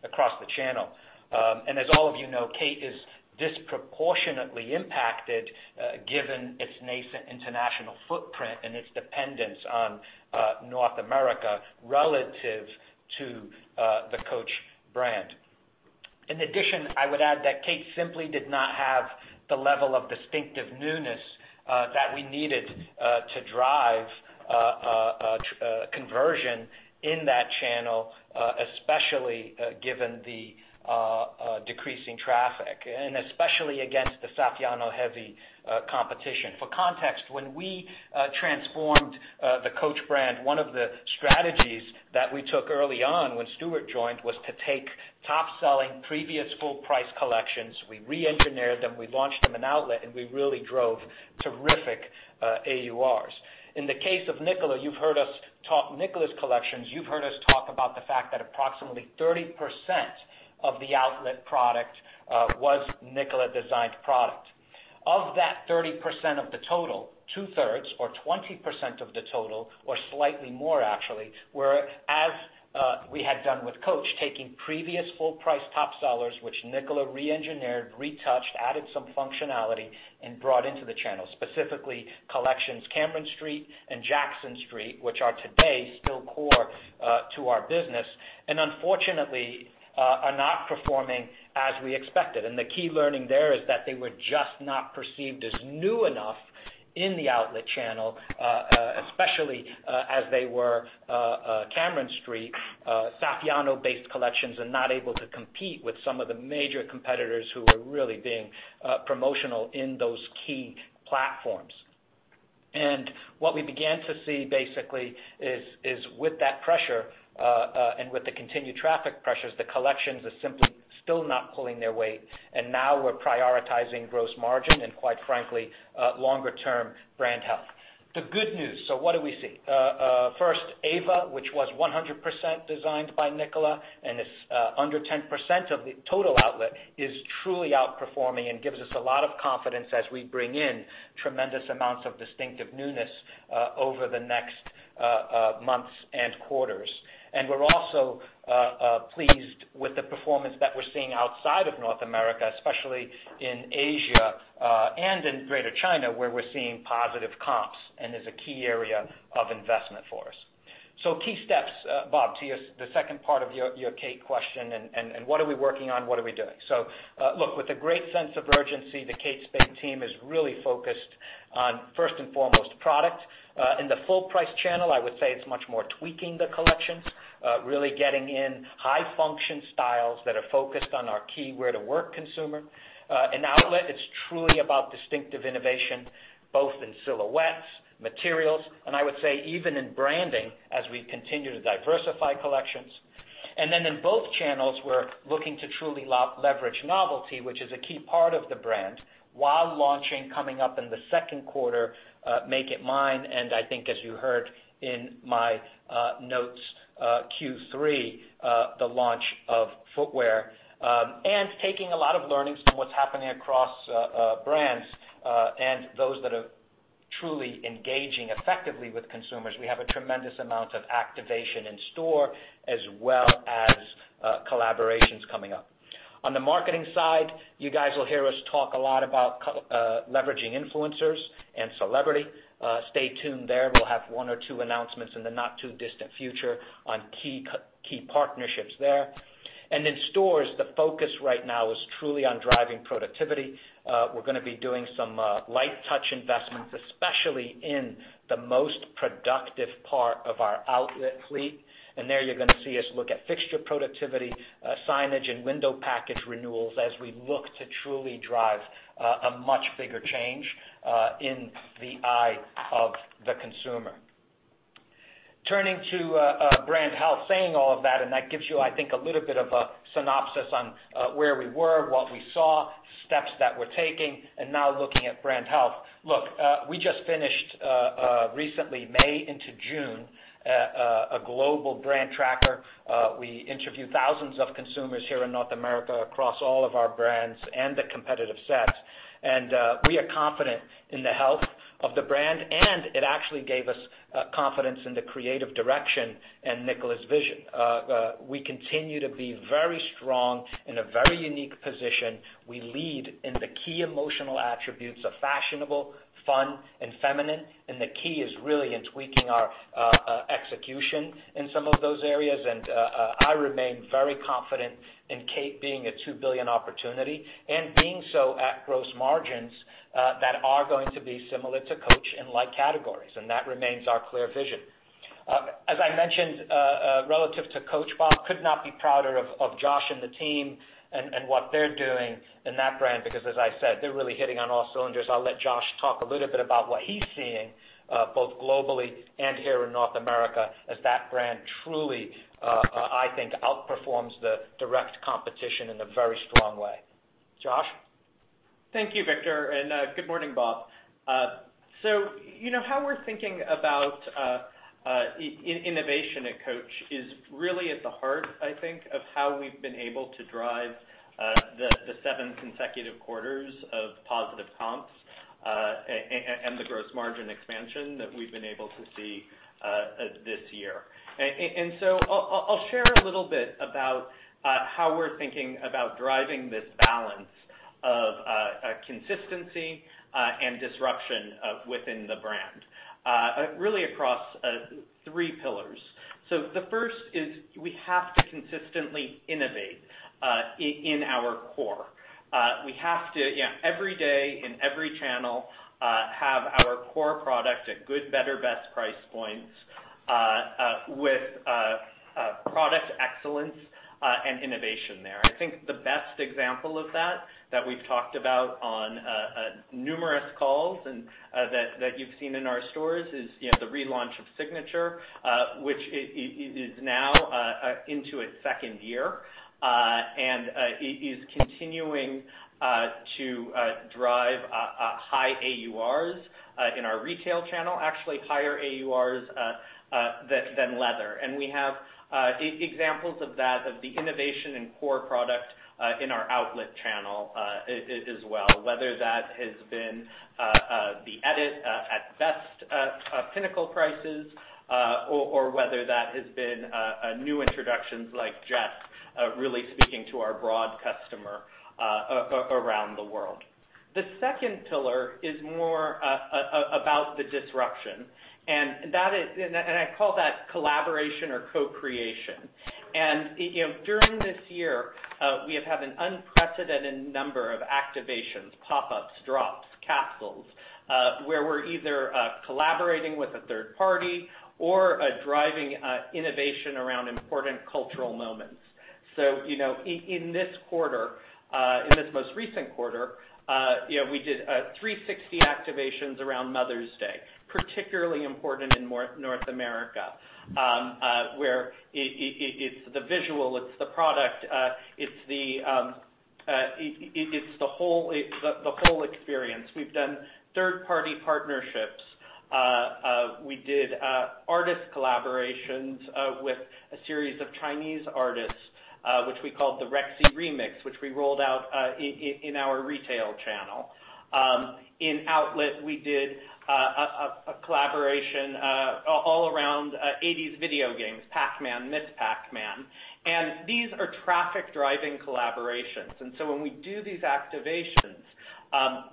across the channel. As all of you know, Kate is disproportionately impacted given its nascent international footprint and its dependence on North America relative to the Coach brand. In addition, I would add that Kate simply did not have the level of distinctive newness that we needed to drive conversion in that channel, especially given the decreasing traffic and especially against the Saffiano-heavy competition. For context, when we transformed the Coach brand, one of the strategies that we took early on when Stuart joined was to take top-selling previous full price collections. We re-engineered them, we launched them in outlet, and we really drove terrific AURs. In the case of Nicola's collections, you've heard us talk about the fact that approximately 30% of the outlet product was Nicola-designed product. Of that 30% of the total, two-thirds or 20% of the total, or slightly more actually, were as we had done with Coach, taking previous full price top sellers, which Nicola re-engineered, retouched, added some functionality and brought into the channel, specifically collections Cameron Street and Jackson Street, which are today still core to our business and unfortunately are not performing as we expected. The key learning there is that they were just not perceived as new enough in the outlet channel, especially as they were Cameron Street Saffiano-based collections and not able to compete with some of the major competitors who were really being promotional in those key platforms. What we began to see basically is with that pressure and with the continued traffic pressures, the collections are simply still not pulling their weight, and now we're prioritizing gross margin and, quite frankly, longer-term brand health. The good news, so what do we see? First, Ava, which was 100% designed by Nicola and is under 10% of the total outlet, is truly outperforming and gives us a lot of confidence as we bring in tremendous amounts of distinctive newness over the next months and quarters. we're also pleased with the performance that we're seeing outside of North America, especially in Asia and in Greater China, where we're seeing positive comps and is a key area of investment for us. Key steps, Bob, to the second part of your Kate question and what are we working on, what are we doing. Look, with a great sense of urgency, the Kate Spade team is really focused on, first and foremost, product. In the full price channel, I would say it's much more tweaking the collections, really getting in high-function styles that are focused on our key where-to-work consumer. In outlet, it's truly about distinctive innovation, both in silhouettes, materials, and I would say even in branding as we continue to diversify collections. In both channels, we're looking to truly leverage novelty, which is a key part of the brand, while launching, coming up in the second quarter, Make It Mine, and I think as you heard in my notes, Q3, the launch of footwear. Taking a lot of learnings from what's happening across brands and those that are truly engaging effectively with consumers. We have a tremendous amount of activation in store as well as collaborations coming up. On the marketing side, you guys will hear us talk a lot about leveraging influencers and celebrity. Stay tuned there. We'll have one or two announcements in the not-too-distant future on key partnerships there. In stores, the focus right now is truly on driving productivity. We're going to be doing some light touch investments, especially in the most productive part of our outlet fleet. There you're going to see us look at fixture productivity, signage, and window package renewals as we look to truly drive a much bigger change in the eye of the consumer. Turning to brand health, saying all of that, and that gives you, I think, a little bit of a synopsis on where we were, what we saw, steps that we're taking, and now looking at brand health. Look, we just finished recently, May into June, a global brand tracker. We interviewed thousands of consumers here in North America across all of our brands and the competitive sets. We are confident in the health of the brand, and it actually gave us confidence in the creative direction and Nicola's vision. We continue to be very strong in a very unique position. We lead in the key emotional attributes of fashionable, fun and feminine, and the key is really in tweaking our execution in some of those areas. I remain very confident in Kate being a $2 billion opportunity and being so at gross margins that are going to be similar to Coach in like categories. That remains our clear vision. As I mentioned, relative to Coach, Bob could not be prouder of Josh and the team and what they're doing in that brand because, as I said, they're really hitting on all cylinders. I'll let Josh talk a little bit about what he's seeing, both globally and here in North America, as that brand truly, I think, outperforms the direct competition in a very strong way. Josh? Thank you, Victor, and good morning, Bob. how we're thinking about innovation at Coach is really at the heart, I think, of how we've been able to drive the seven consecutive quarters of positive comps and the gross margin expansion that we've been able to see this year. I'll share a little bit about how we're thinking about driving this balance of consistency and disruption within the brand, really across three pillars. The first is we have to consistently innovate in our core. We have to, every day in every channel, have our core product at good, better, best price points with product excellence and innovation there. I think the best example of that we've talked about on numerous calls and that you've seen in our stores is the relaunch of Signature, which is now into its second year. Is continuing to drive high AURs in our retail channel. Actually, higher AURs than leather. We have examples of that, of the innovation in core product, in our outlet channel as well. Whether that has been the edit at best pinnacle prices or whether that has been new introductions like Jess really speaking to our broad customer around the world. The second pillar is more about the disruption and I call that collaboration or co-creation. During this year, we have had an unprecedented number of activations, pop-ups, drops, capsules, where we're either collaborating with a third party or driving innovation around important cultural moments. In this most recent quarter, we did 360 activations around Mother's Day, particularly important in North America, where it's the visual, it's the product, it's the whole experience. We've done third-party partnerships. We did artist collaborations with a series of Chinese artists, which we called the Rexy Remix, which we rolled out in our retail channel. In outlet, we did a collaboration all around 80s video games, Pac-Man, Ms. Pac-Man. These are traffic-driving collaborations. When we do these activations,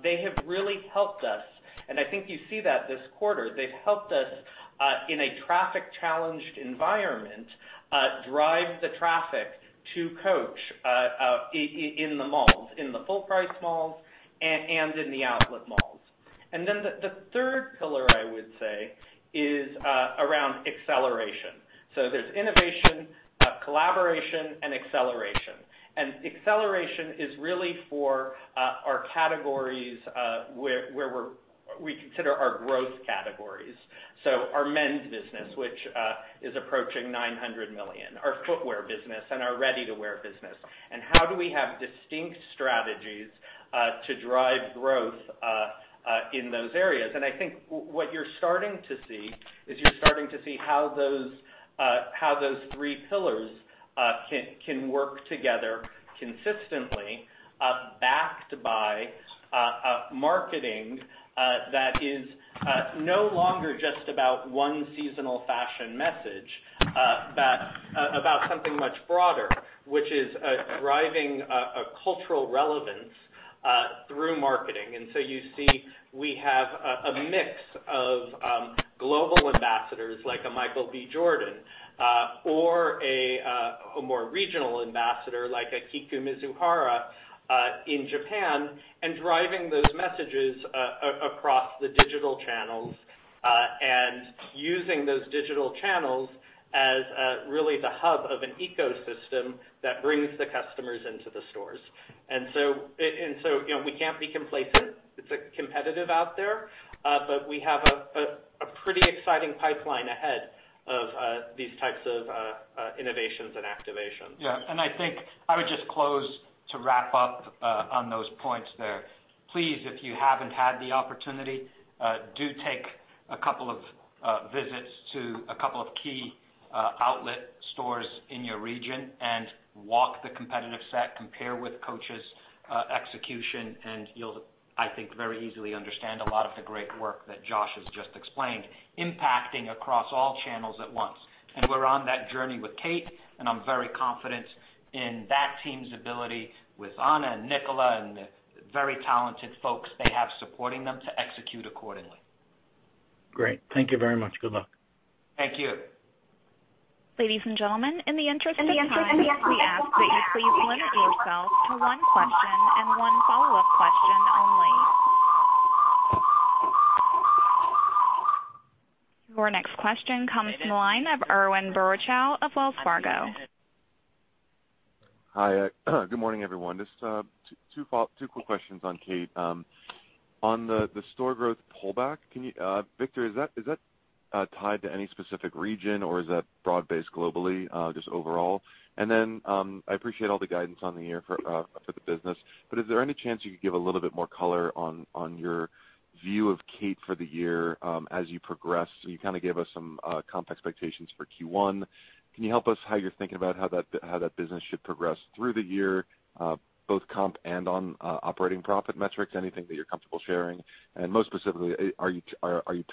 they have really helped us, and I think you see that this quarter. They've helped us in a traffic-challenged environment drive the traffic to Coach in the malls, in the full-price malls and in the outlet malls. The third pillar, I would say, is around acceleration. There's innovation, collaboration, and acceleration. Acceleration is really for our categories where we consider our growth categories. Our men's business, which is approaching $900 million, our footwear business and our ready-to-wear business. How do we have distinct strategies to drive growth in those areas? I think what you're starting to see is you're starting to see how those three pillars can work together consistently, backed by marketing that is no longer just about one seasonal fashion message. About something much broader, which is driving a cultural relevance through marketing. You see we have a mix of global ambassadors like a Michael B. Jordan or a more regional ambassador like a Kiko Mizuhara in Japan, and driving those messages across the digital channels. Using those digital channels As really the hub of an ecosystem that brings the customers into the stores. We can't be complacent. It's competitive out there, but we have a pretty exciting pipeline ahead of these types of innovations and activations. Yeah. I think I would just close to wrap up on those points there. Please, if you haven't had the opportunity, do take a couple of visits to a couple of key outlet stores in your region and walk the competitive set, compare with Coach's execution, and you'll, I think, very easily understand a lot of the great work that Josh has just explained, impacting across all channels at once. We're on that journey with Kate, and I'm very confident in that team's ability with Anna and Nicola and the very talented folks they have supporting them to execute accordingly. Great. Thank you very much. Good luck. Thank you. Ladies and gentlemen, in the interest of time we ask that you please limit yourself to one question and one follow-up question only. Your next question comes from the line of Irwin Boruchow of Wells Fargo. Hi. Good morning, everyone. Just two quick questions on Kate. On the store growth pullback, Victor, is that tied to any specific region, or is that broad-based globally, just overall? I appreciate all the guidance on the year for the business, but is there any chance you could give a little bit more color on your view of Kate for the year as you progress? You kind of gave us some comp expectations for Q1. Can you help us how you're thinking about how that business should progress through the year, both comp and on operating profit metrics, anything that you're comfortable sharing? Most specifically, are you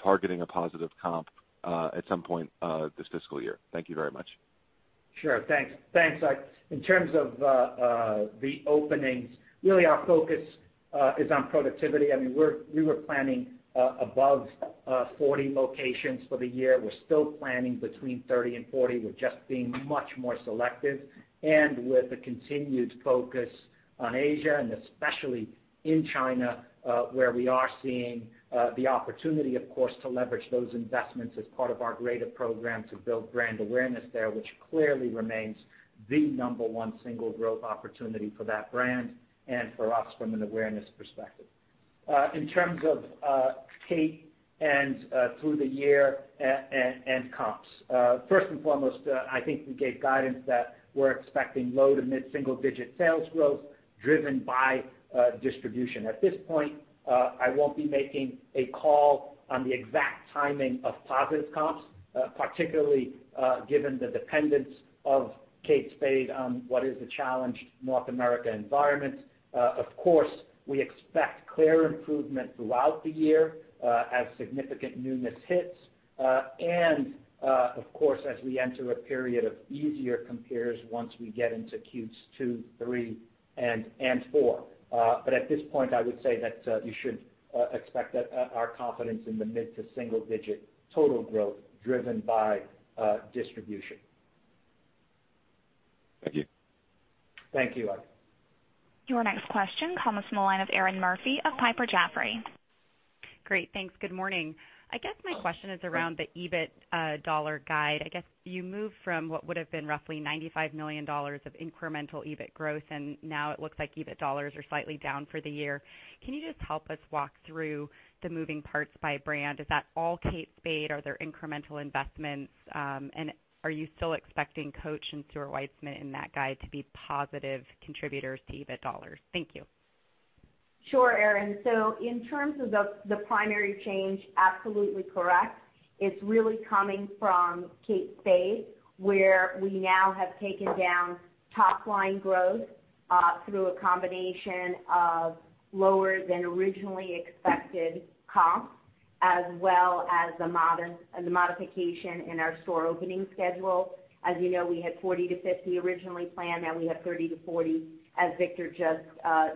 targeting a positive comp at some point this fiscal year? Thank you very much. Sure. Thanks. In terms of the openings, really our focus is on productivity. We were planning above 40 locations for the year. We're still planning between 30 and 40. We're just being much more selective, and with a continued focus on Asia and especially in China, where we are seeing the opportunity, of course, to leverage those investments as part of our greater program to build brand awareness there, which clearly remains the number one single growth opportunity for that brand and for us from an awareness perspective. In terms of Kate and through the year and comps. First and foremost, I think we gave guidance that we're expecting low to mid single-digit sales growth driven by distribution. At this point, I won't be making a call on the exact timing of positive comps, particularly given the dependence of Kate Spade on what is a challenged North America environment. Of course, we expect clear improvement throughout the year as significant newness hits. of course, as we enter a period of easier compares once we get into Q2, Q3 and Q4. at this point, I would say that you should expect our confidence in the mid to single digit total growth driven by distribution. Thank you. Thank you. Your next question comes from the line of Erinn Murphy of Piper Jaffray. Great. Thanks. Good morning. I guess my question is around the EBIT dollar guide. I guess you moved from what would've been roughly $95 million of incremental EBIT growth, and now it looks like EBIT dollars are slightly down for the year. Can you just help us walk through the moving parts by brand? Is that all Kate Spade, or are there incremental investments? Are you still expecting Coach and Stuart Weitzman in that guide to be positive contributors to EBIT dollars? Thank you. Sure, Erinn. In terms of the primary change, absolutely correct. It's really coming from Kate Spade, where we now have taken down top-line growth through a combination of lower than originally expected comps, as well as the modification in our store opening schedule. As you know, we had 40-50 originally planned. Now we have 30-40, as Victor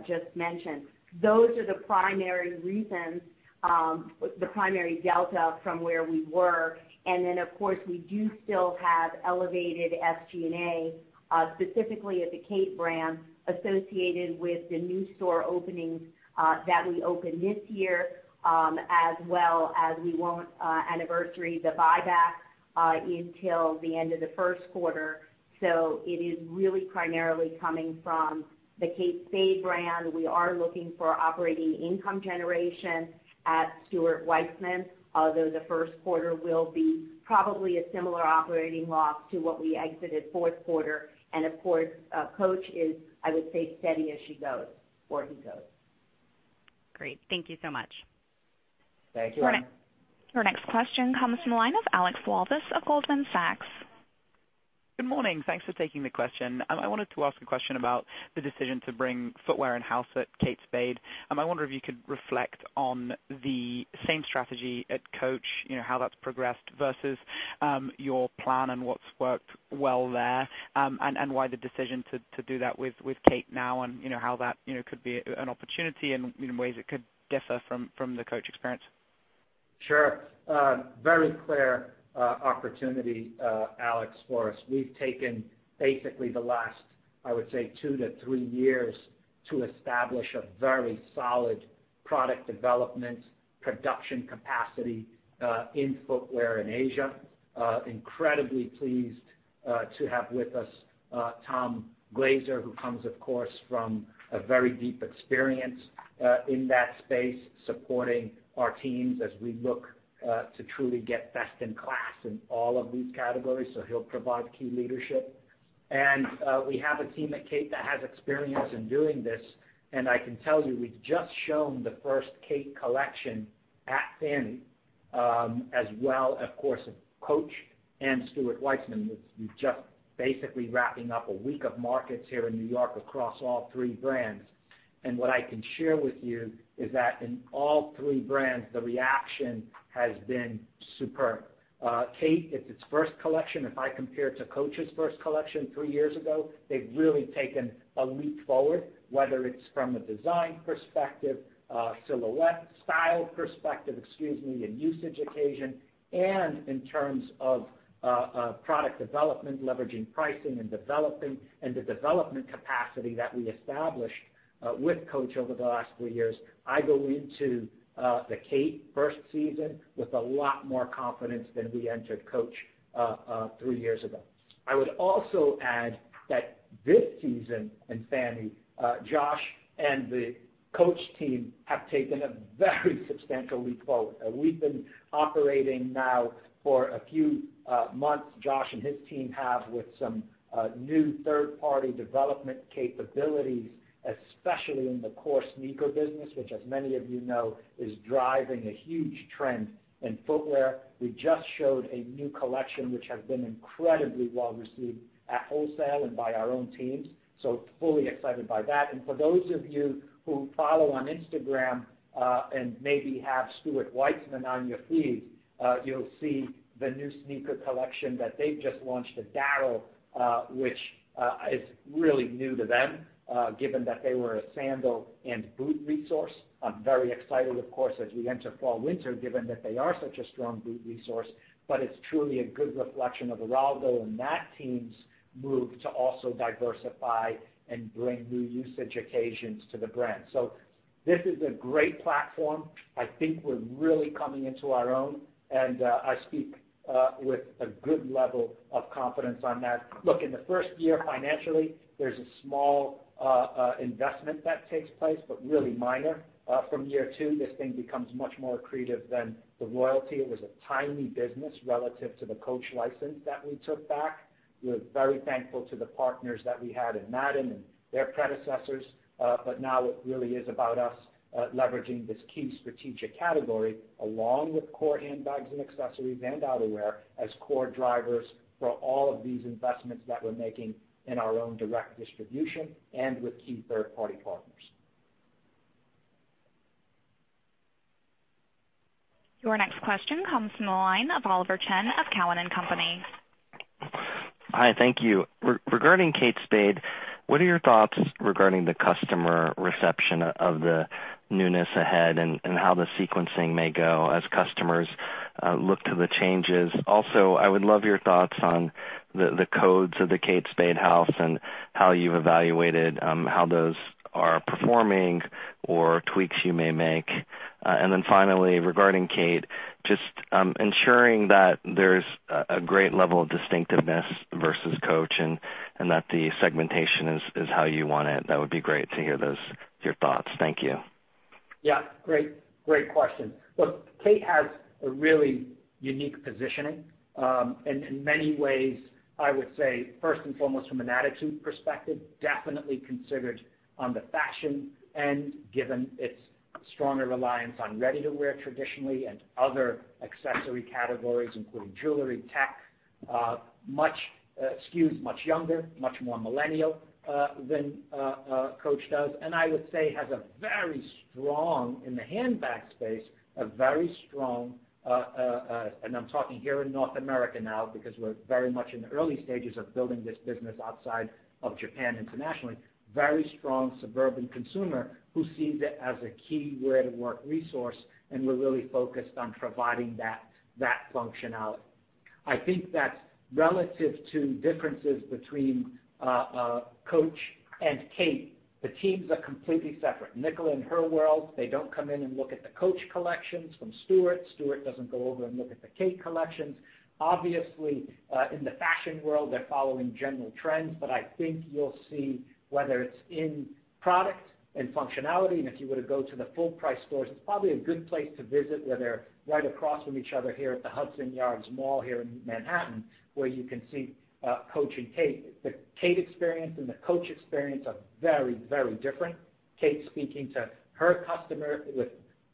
just mentioned. Those are the primary reasons, the primary delta from where we were. Of course, we do still have elevated SG&A, specifically at the Kate brand, associated with the new store openings that we opened this year, as well as we won't anniversary the buyback until the end of the first quarter. It is really primarily coming from the Kate Spade brand. We are looking for operating income generation at Stuart Weitzman, although the first quarter will be probably a similar operating loss to what we exited fourth quarter. Of course, Coach is, I would say, steady as she goes, or he goes. Great. Thank you so much. Thank you, Erinn. Our next question comes from the line of Alex Walvis of Goldman Sachs. Good morning. Thanks for taking the question. I wanted to ask a question about the decision to bring footwear in-house at Kate Spade. I wonder if you could reflect on the same strategy at Coach, how that's progressed versus your plan and what's worked well there, and why the decision to do that with Kate now and how that could be an opportunity and ways it could differ from the Coach experience. Sure. Very clear opportunity, Alex, for us. We've taken basically the last, I would say, two to three years to establish a very solid product development, production capacity in footwear in Asia. Incredibly pleased to have with us Tom Glaser, who comes, of course, from a very deep experience in that space, supporting our teams as we look to truly get best in class in all of these categories. He'll provide key leadership. We have a team at Kate that has experience in doing this, and I can tell you we've just shown the first Kate collection at FFANY as well, of course, Coach and Stuart Weitzman. We're just basically wrapping up a week of markets here in New York across all three brands. What I can share with you is that in all three brands, the reaction has been superb. Kate, it's its first collection. If I compare it to Coach's first collection three years ago, they've really taken a leap forward, whether it's from a design perspective, silhouette style perspective, excuse me, and usage occasion. In terms of product development, leveraging pricing and developing, and the development capacity that we established with Coach over the last three years. I go into the Kate first season with a lot more confidence than we entered Coach three years ago. I would also add that this season in Fanny, Josh and the Coach team have taken a very substantial leap forward. We've been operating now for a few months. Josh and his team have with some new third-party development capabilities, especially in the Coach sneaker business, which as many of you know, is driving a huge trend in footwear. We just showed a new collection, which has been incredibly well-received at wholesale and by our own teams, so fully excited by that. For those of you who follow on Instagram, and maybe have Stuart Weitzman on your feed, you'll see the new sneaker collection that they've just launched with DARYL, which is really new to them, given that they were a sandal and boot resource. I'm very excited, of course, as we enter fall/winter, given that they are such a strong boot resource, but it's truly a good reflection of Eraldo and that team's move to also diversify and bring new usage occasions to the brand. This is a great platform. I think we're really coming into our own, and I speak with a good level of confidence on that. Look, in the first year, financially, there's a small investment that takes place, but really minor. From year two, this thing becomes much more accretive than the royalty. It was a tiny business relative to the Coach license that we took back. We're very thankful to the partners that we had in Madden and their predecessors. Now it really is about us leveraging this key strategic category along with core handbags and accessories and outerwear as core drivers for all of these investments that we're making in our own direct distribution and with key third-party partners. Your next question comes from the line of Oliver Chen of Cowen and Company. Hi, thank you. Regarding Kate Spade, what are your thoughts regarding the customer reception of the newness ahead and how the sequencing may go as customers look to the changes? Also, I would love your thoughts on the codes of the Kate Spade house and how you've evaluated how those are performing or tweaks you may make. Finally, regarding Kate, just ensuring that there's a great level of distinctiveness versus Coach and that the segmentation is how you want it. That would be great to hear your thoughts. Thank you. Yeah. Great question. Look, Kate has a really unique positioning. in many ways, I would say first and foremost from an attitude perspective, definitely considered on the fashion end, given its stronger reliance on ready-to-wear traditionally and other accessory categories, including jewelry, tech, skews much younger, much more millennial, than Coach does. I would say, has a very strong, in the handbag space, a very strong, and I'm talking here in North America now because we're very much in the early stages of building this business outside of Japan, internationally, very strong suburban consumer who sees it as a key ready-to-wear resource, and we're really focused on providing that functionality. I think that relative to differences between Coach and Kate, the teams are completely separate. Nicola and her world, they don't come in and look at the Coach collections from Stuart. Stuart doesn't go over and look at the Kate collections. Obviously, in the fashion world, they're following general trends, but I think you'll see whether it's in product and functionality, and if you were to go to the full-price stores, it's probably a good place to visit where they're right across from each other here at the Hudson Yards mall here in Manhattan, where you can see Coach and Kate. The Kate experience and the Coach experience are very, very different. Kate speaking to her customer with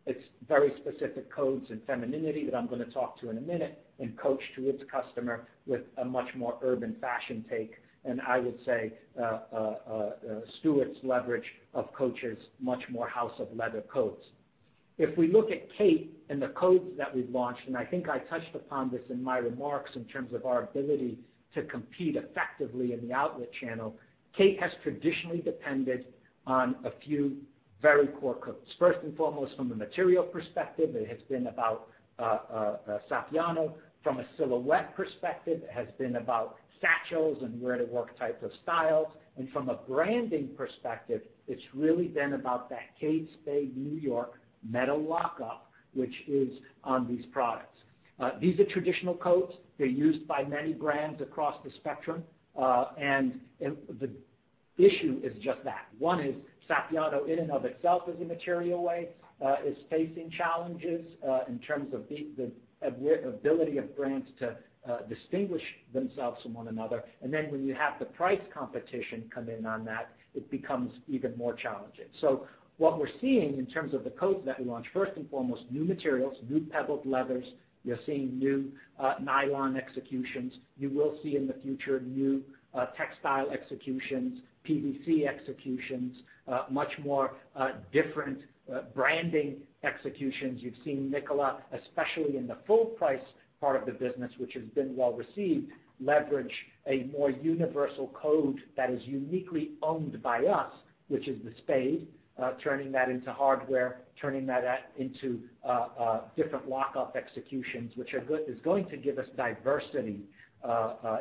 its very specific codes and femininity that I'm going to talk to in a minute, and Coach to its customer with a much more urban fashion take, and I would say Stuart's leverage of Coach's much more house of leather codes. If we look at Kate and the codes that we've launched, and I think I touched upon this in my remarks in terms of our ability to compete effectively in the outlet channel, Kate has traditionally depended on a few very core codes. First and foremost, from a material perspective, it has been about Saffiano. From a silhouette perspective, it has been about satchels and ready-to-work type of style. From a branding perspective, it's really been about that Kate Spade New York metal lockup, which is on these products. These are traditional codes. They're used by many brands across the spectrum. The issue is just that. One is Saffiano in and of itself as a material way, is facing challenges in terms of the ability of brands to distinguish themselves from one another. when you have the price competition come in on that, it becomes even more challenging. what we're seeing in terms of the codes that we launch, first and foremost, new materials, new pebbled leathers, you're seeing new nylon executions. You will see in the future, new textile executions, PVC executions, much more different branding executions. You've seen Nicola, especially in the full price part of the business, which has been well received, leverage a more universal code that is uniquely owned by us, which is the spade, turning that into hardware, turning that into different lockup executions, which is going to give us diversity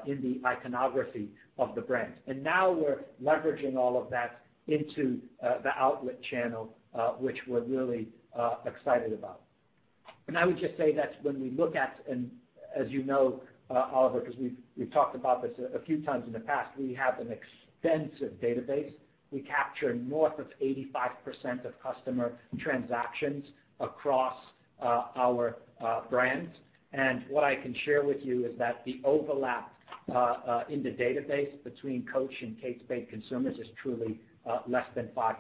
in the iconography of the brand. now we're leveraging all of that into the outlet channel, which we're really excited about. I would just say that when we look at, and as you know, Oliver, because we've talked about this a few times in the past, we have an extensive database. We capture north of 85% of customer transactions across our brands. What I can share with you is that the overlap in the database between Coach and Kate Spade consumers is truly less than 5%.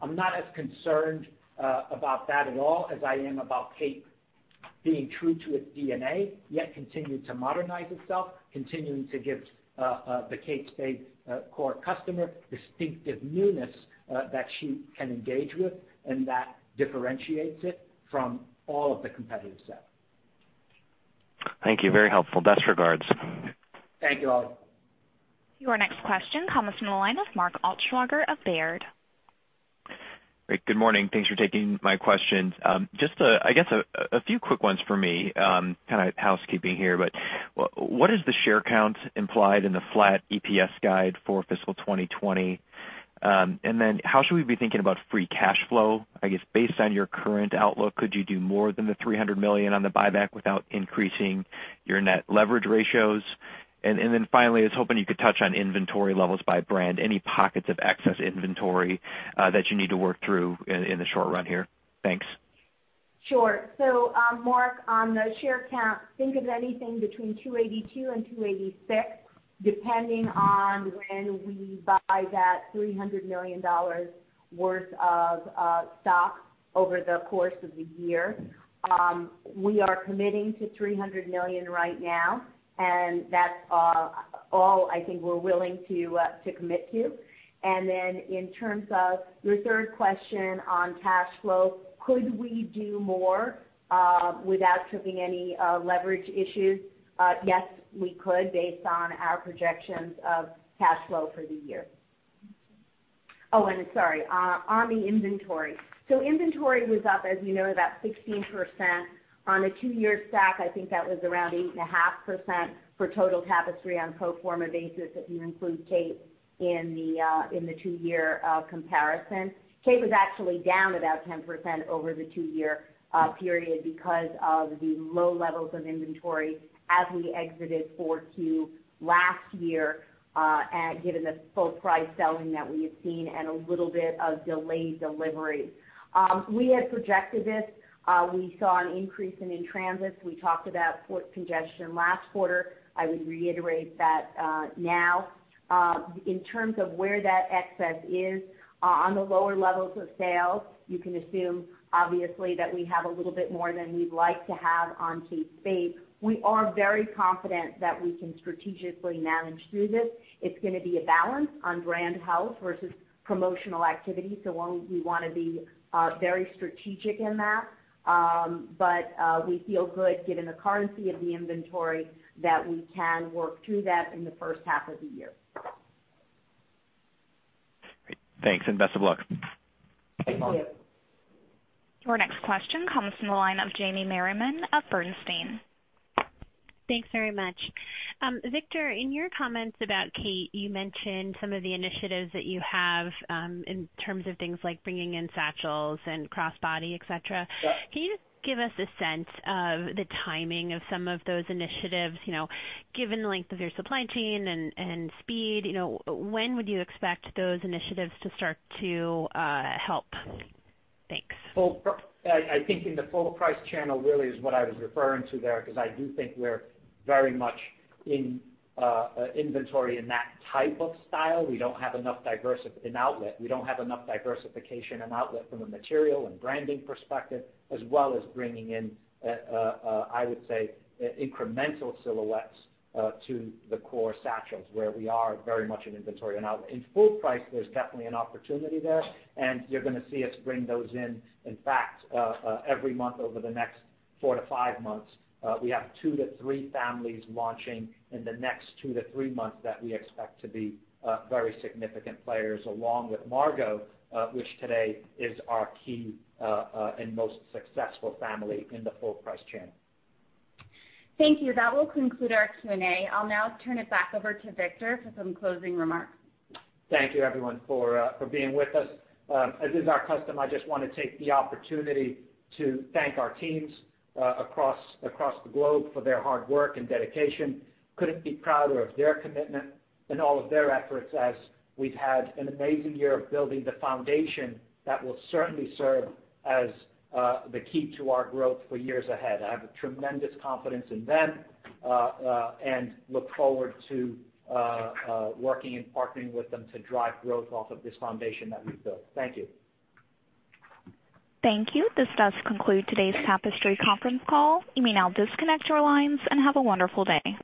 I'm not as concerned about that at all as I am about Kate being true to its DNA, yet continuing to modernize itself, continuing to give the Kate Spade core customer distinctive newness that she can engage with, and that differentiates it from all of the competitive set. Thank you. Very helpful. Best regards. Thank you, Oliver. Your next question comes from the line of Mark Altschwager of Baird. Great. Good morning. Thanks for taking my questions. Just I guess a few quick ones for me, kind of housekeeping here, but what is the share count implied in the flat EPS guide for fiscal 2020? How should we be thinking about free cash flow? I guess based on your current outlook, could you do more than the $300 million on the buyback without increasing your net leverage ratios? Finally, I was hoping you could touch on inventory levels by brand, any pockets of excess inventory that you need to work through in the short run here. Thanks. Sure. Mark, on the share count, think of anything between $282 million and $286 million, depending on when we buy that $300 million worth of stock over the course of the year. We are committing to $300 million right now, and that's all I think we're willing to commit to. In terms of your third question on cash flow, could we do more without tripping any leverage issues? Yes, we could, based on our projections of cash flow for the year. Oh, sorry, on the inventory. Inventory was up, as you know, about 16%. On a two-year stack, I think that was around 8.5% for total Tapestry on pro forma basis, if you include Kate in the two-year comparison. Kate was actually down about 10% over the two-year period because of the low levels of inventory as we exited 4Q last year, given the full price selling that we have seen and a little bit of delayed delivery. We had projected this. We saw an increase in transits. We talked about port congestion last quarter. I would reiterate that now. In terms of where that excess is, on the lower levels of sales, you can assume, obviously, that we have a little bit more than we'd like to have on Kate Spade. We are very confident that we can strategically manage through this. It's going to be a balance on brand health versus promotional activity, so we want to be very strategic in that. We feel good given the currency of the inventory that we can work through that in the first half of the year. Great. Thanks, and best of luck. Thank you. Your next question comes from the line of Jamie Merriman of Bernstein. Thanks very much. Victor, in your comments about Kate, you mentioned some of the initiatives that you have in terms of things like bringing in satchels and crossbody, et cetera. Yeah. Can you give us a sense of the timing of some of those initiatives? Given the length of your supply chain and speed, when would you expect those initiatives to start to help? Thanks. I think in the full price channel really is what I was referring to there, because I do think we're very much in inventory in that type of style. We don't have enough diversity in outlet. We don't have enough diversification in outlet from a material and branding perspective, as well as bringing in, I would say, incremental silhouettes to the core satchels, where we are very much in inventory and outlet. In full price, there's definitely an opportunity there, and you're going to see us bring those in. In fact, every month over the next four to five months, we have two to three families launching in the next two to three months that we expect to be very significant players along with Margot, which today is our key and most successful family in the full price channel. Thank you. That will conclude our Q&A. I'll now turn it back over to Victor for some closing remarks. Thank you, everyone, for being with us. As is our custom, I just want to take the opportunity to thank our teams across the globe for their hard work and dedication. Couldn't be prouder of their commitment and all of their efforts as we've had an amazing year of building the foundation that will certainly serve as the key to our growth for years ahead. I have tremendous confidence in them, and look forward to working and partnering with them to drive growth off of this foundation that we've built. Thank you. Thank you. This does conclude today's Tapestry conference call. You may now disconnect your lines, and have a wonderful day.